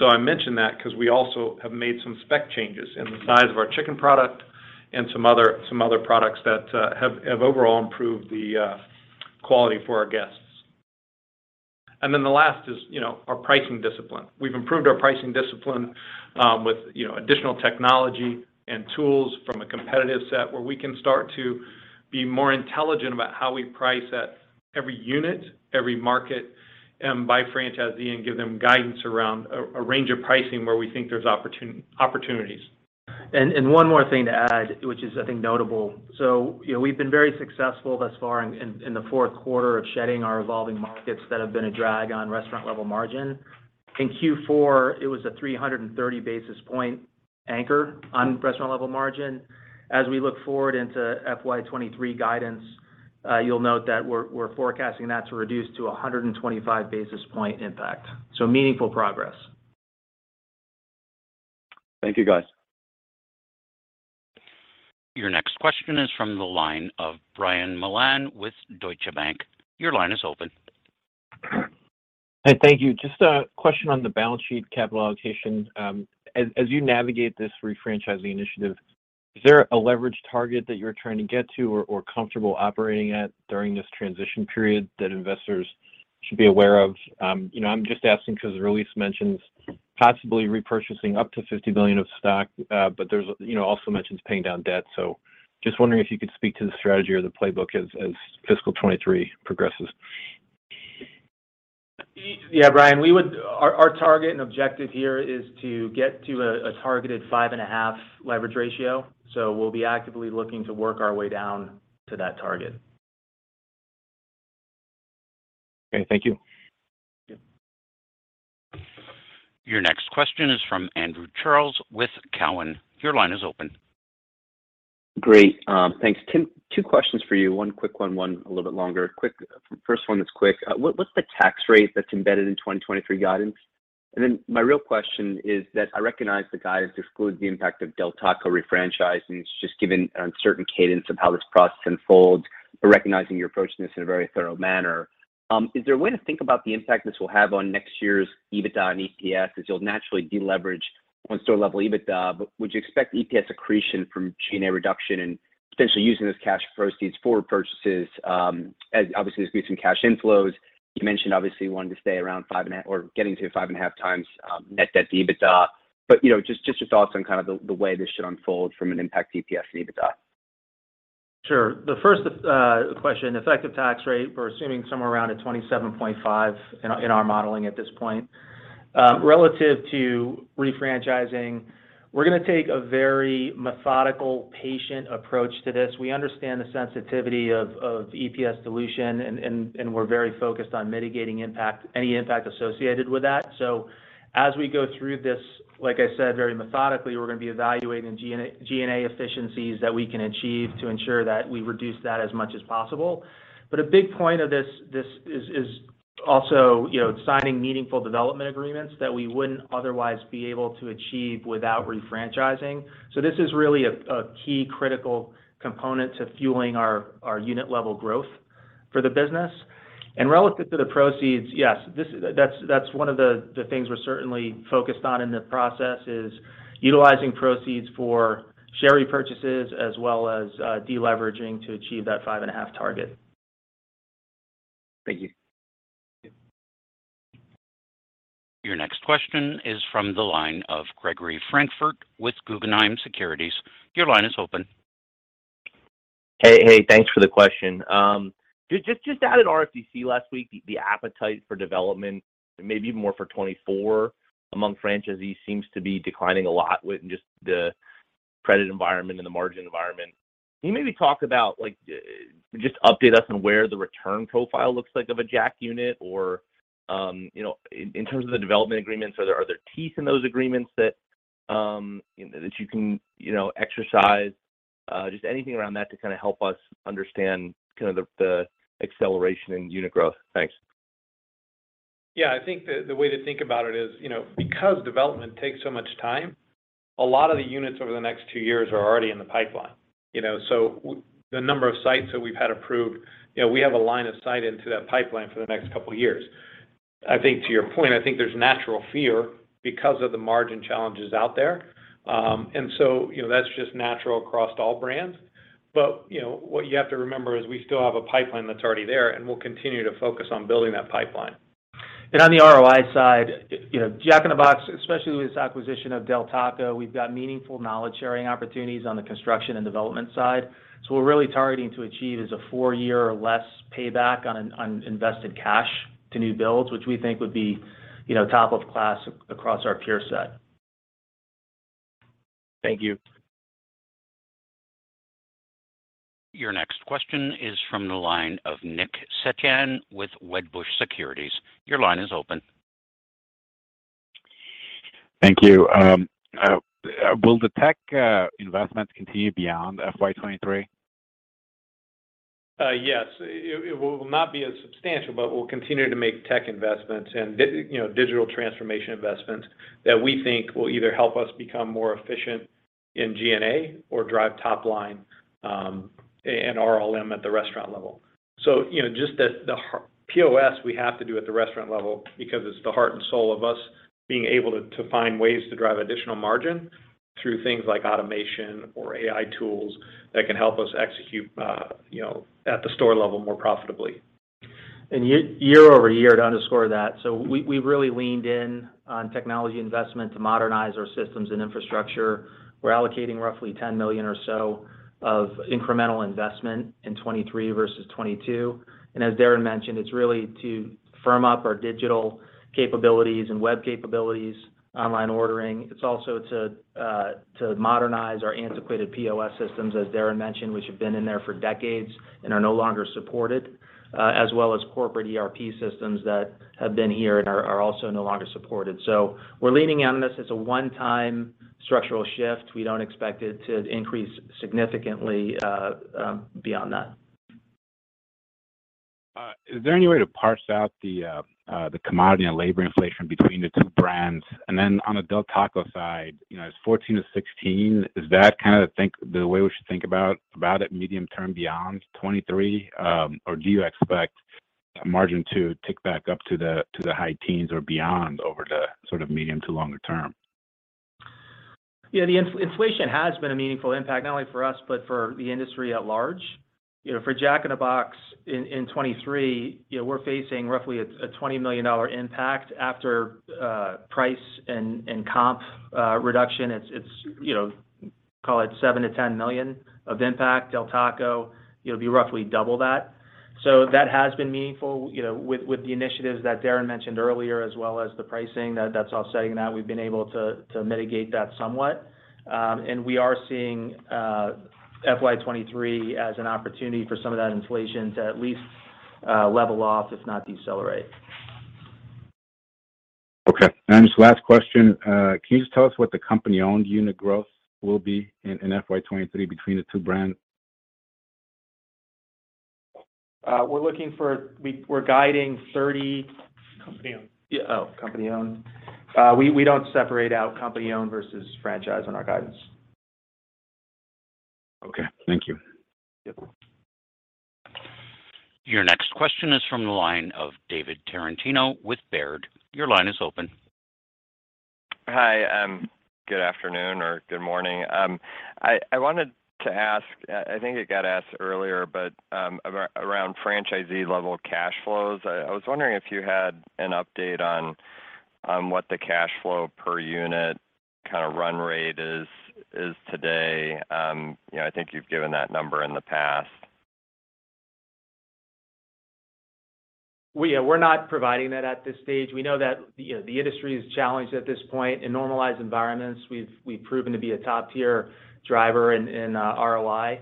I mention that because we also have made some spec changes in the size of our chicken product and some other products that have overall improved the quality for our guests. The last is, you know, our pricing discipline. We've improved our pricing discipline with, you know, additional technology and tools from a competitive set where we can start to be more intelligent about how we price at every unit, every market, by franchisee, and give them guidance around a range of pricing where we think there's opportunities.
One more thing to add, which is I think notable. You know, we've been very successful thus far in the fourth quarter of shedding our evolving markets that have been a drag on restaurant level margin. In Q4, it was a 330 basis point anchor on restaurant level margin. As we look forward into FY 2023 guidance, you'll note that we're forecasting that to reduce to a 125 basis point impact. Meaningful progress.
Thank you guys.
Your next question is from the line of Brian Mullan with Deutsche Bank. Your line is open.
Hey, thank you. Just a question on the balance sheet capital allocation. As you navigate this refranchising initiative, is there a leverage target that you're trying to get to or comfortable operating at during this transition period that investors should be aware of? You know, I'm just asking because the release mentions possibly repurchasing up to $50 billion of stock, but there's, you know, also mentions paying down debt. Just wondering if you could speak to the strategy or the playbook as fiscal 23 progresses.
Yeah Brian, our target and objective here is to get to a targeted 5.5 leverage ratio. We'll be actively looking to work our way down to that target.
Okay, thank you.
Yeah.
Your next question is from Andrew Charles with TD Cowen. Your line is open.
Great, thanks. Tim, two questions for you. One quick one a little bit longer. First one that's quick. What's the tax rate that's embedded in 2023 guidance? My real question is that I recognize the guide excludes the impact of Del Taco refranchising, just given an uncertain cadence of how this process unfolds, but recognizing you're approaching this in a very thorough manner. Is there a way to think about the impact this will have on next year's EBITDA and EPS, as you'll naturally deleverage on store level EBITDA? Would you expect EPS accretion from G&A reduction and potentially using those cash proceeds for repurchases, as obviously, there's been some cash inflows. You mentioned obviously wanting to stay around 5.5x net debt to EBITDA. You know, just your thoughts on kind of the way this should unfold from an impact to EPS and EBITDA.
Sure. The first question, effective tax rate, we're assuming somewhere around 27.5% in our modeling at this point. Relative to refranchising, we're gonna take a very methodical, patient approach to this. We understand the sensitivity of EPS dilution, and we're very focused on mitigating impact, any impact associated with that. As we go through this, like I said, very methodically, we're gonna be evaluating G&A, G&A efficiencies that we can achieve to ensure that we reduce that as much as possible. A big point of this is also, you know, signing meaningful development agreements that we wouldn't otherwise be able to achieve without refranchising. This is really a key critical component to fueling our unit level growth for the business. Relative to the proceeds, yes, that's one of the things we're certainly focused on in the process is utilizing proceeds for share repurchases as well as deleveraging to achieve that 5.5 target.
Thank you.
Your next question is from the line of Gregory Francfort with Guggenheim Securities. Your line is open.
Hey, thanks for the question. Just added RFDC last week, the appetite for development, maybe even more for 2024 among franchisees seems to be declining a lot with just the credit environment and the margin environment. Can you maybe talk about like, just update us on where the return profile looks like of a Jack unit or, you know, in terms of the development agreements, are there teeth in those agreements that you can, you know, exercise? Just anything around that to kind of help us understand kind of the acceleration in unit growth. Thanks.
Yeah, I think the way to think about it is, you know, because development takes so much time, a lot of the units over the next two years are already in the pipeline. You know, so the number of sites that we've had approved, you know, we have a line of sight into that pipeline for the next couple years. I think to your point, I think there's natural fear because of the margin challenges out there. You know, that's just natural across all brands. You know, what you have to remember is we still have a pipeline that's already there, and we'll continue to focus on building that pipeline.
On the ROI side, you know, Jack in the Box, especially with this acquisition of Del Taco, we've got meaningful knowledge-sharing opportunities on the construction and development side. What we're really targeting to achieve is a four-year or less payback on invested cash to new builds, which we think would be, you know, top of class across our peer set.
Thank you.
Your next question is from the line of Nick Setyan with Wedbush Securities. Your line is open.
Thank you. Will the tech investment continue beyond FY 2023?
Yes. It will not be as substantial, but we'll continue to make tech investments and you know, digital transformation investments that we think will either help us become more efficient in G&A or drive top line, and RLM at the restaurant level. Just the POS, we have to do at the restaurant level because it's the heart and soul of us being able to find ways to drive additional margin through things like automation or AI tools that can help us execute, you know, at the store level more profitably.
Year-over-year to underscore that. We really leaned in on technology investment to modernize our systems and infrastructure. We're allocating roughly $10 million or so of incremental investment in 2023 versus 2022. As Darin mentioned, it's really to firm up our digital capabilities and web capabilities, online ordering. It's also to modernize our antiquated POS systems, as Darin mentioned, which have been in there for decades and are no longer supported. As well as corporate ERP systems that have been here and are also no longer supported. We're leaning in on this as a one-time structural shift. We don't expect it to increase significantly beyond that.
Is there any way to parse out the commodity and labor inflation between the two brands? Then on the Del Taco side, you know, as 14%-16%, is that the way we should think about it medium term beyond 2023? Or do you expect margin to tick back up to the, to the high teens or beyond over the sort of medium to longer term?
Yeah, the inflation has been a meaningful impact not only for us, but for the industry at large. You know, for Jack in the Box in 2023, you know, we're facing roughly a $20 million impact after price and comp reduction. It's, you know, call it $7 million-$10 million of impact. Del Taco, it'll be roughly double that. That has been meaningful, you know, with the initiatives that Darin mentioned earlier, as well as the pricing that's offsetting that, we've been able to mitigate that somewhat. We are seeing FY 2023 as an opportunity for some of that inflation to at least level off, if not decelerate.
Okay. Just last question, can you just tell us what the company-owned unit growth will be in FY 2023 between the two brands?
we're guiding t30—.
Company-owned.
Yeah. Oh, company-owned. We don't separate out company-owned versus franchise on our guidance.
Okay, thank you.
Yep.
Your next question is from the line of David Tarantino with Baird. Your line is open.
Hi, good afternoon or good morning. I wanted to ask, I think it got asked earlier, but around franchisee level cash flows. I was wondering if you had an update on what the cash flow per unit kind of run rate is today. You know, I think you've given that number in the past.
We're not providing that at this stage. We know that, you know, the industry is challenged at this point. In normalized environments, we've proven to be a top-tier driver in ROI.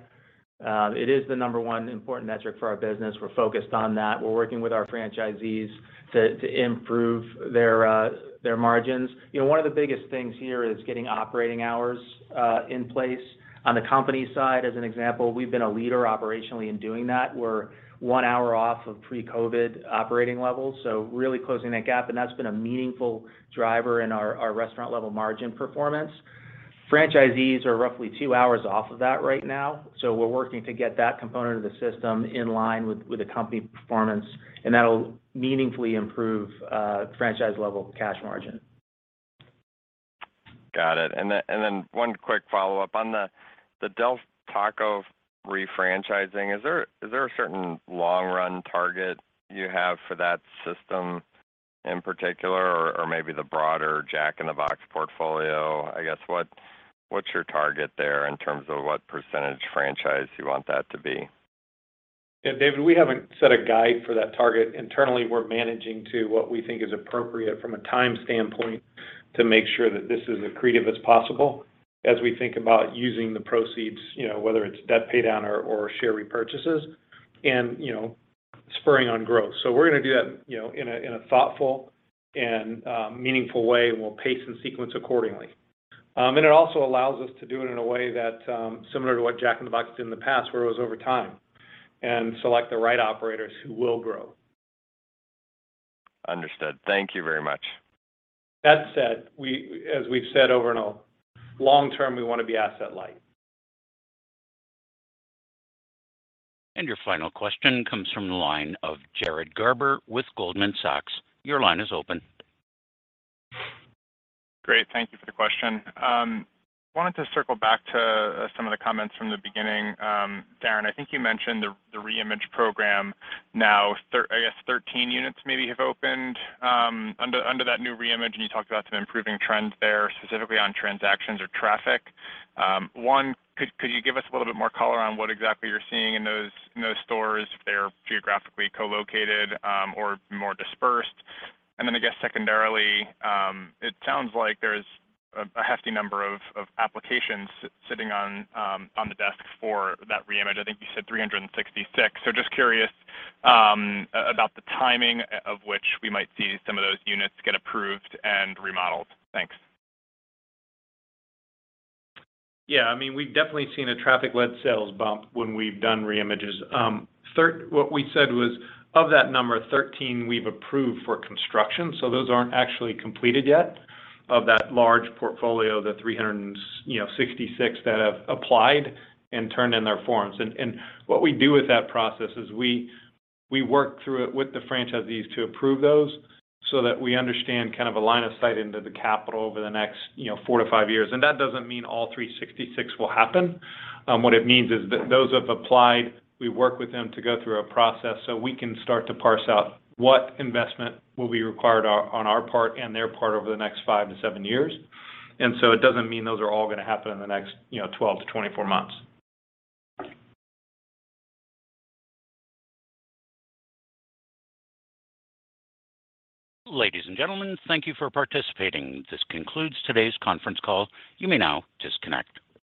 It is the number one important metric for our business. We're focused on that, we're working with our franchisees to improve their margins. You know, one of the biggest things here is getting operating hours in place. On the company side, as an example, we've been a leader operationally in doing that. We're 1 hour off of pre-COVID operating levels, so really closing that gap, and that's been a meaningful driver in our restaurant level margin performance. Franchisees are roughly 2 hours off of that right now, so we're working to get that component of the system in line with the company performance, and that'll meaningfully improve franchise level cash margin.
Got it. One quick follow-up on the Del Taco refranchising. Is there a certain long run target you have for that system in particular or maybe the broader Jack in the Box portfolio? I guess, what's your target there in terms of what percentage franchise you want that to be?
Yeah, David we haven't set a guide for that target. Internally, we're managing to what we think is appropriate from a time standpoint to make sure that this is as accretive as possible as we think about using the proceeds, you know, whether it's debt pay down or share repurchases and, you know, spurring on growth. We're gonna do that, you know, in a, in a thoughtful and, meaningful way. We'll pace and sequence accordingly. It also allows us to do it in a way that, similar to what Jack in the Box did in the past, where it was over time and select the right operators who will grow.
Understood, thank you very much.
That said, as we've said over and over, long term, we wanna be asset light.
Your final question comes from the line of Jared Garber with Goldman Sachs. Your line is open.
Great, thank you for the question. Wanted to circle back to some of the comments from the beginning. Darin, I think you mentioned the reimage program now I guess 13 units maybe have opened under that new reimage, and you talked about some improving trends there, specifically on transactions or traffic. One, could you give us a little bit more color on what exactly you're seeing in those stores if they're geographically co-located or more dispersed? I guess secondarily, it sounds like there's a hefty number of applications sitting on the desk for that reimage. I think you said 366. Just curious about the timing of which we might see some of those units get approved and remodeled. Thanks.
Yeah, I mean, we've definitely seen a traffic-led sales bump when we've done reimages. What we said was, of that number, 13 we've approved for construction, so those aren't actually completed yet of that large portfolio, the 366 that have applied and turned in their forms. What we do with that process is we work through it with the franchisees to approve those so that we understand kind of a line of sight into the capital over the next, you know, four to five years. That doesn't mean all 366 will happen. What it means is those who have applied, we work with them to go through a process, so we can start to parse out what investment will be required on our part and their part over the next five to seven years. It doesn't mean those are all gonna happen in the next, you know, 12-24 months.
Ladies and gentlemen, thank you for participating. This concludes today's conference call. You may now disconnect.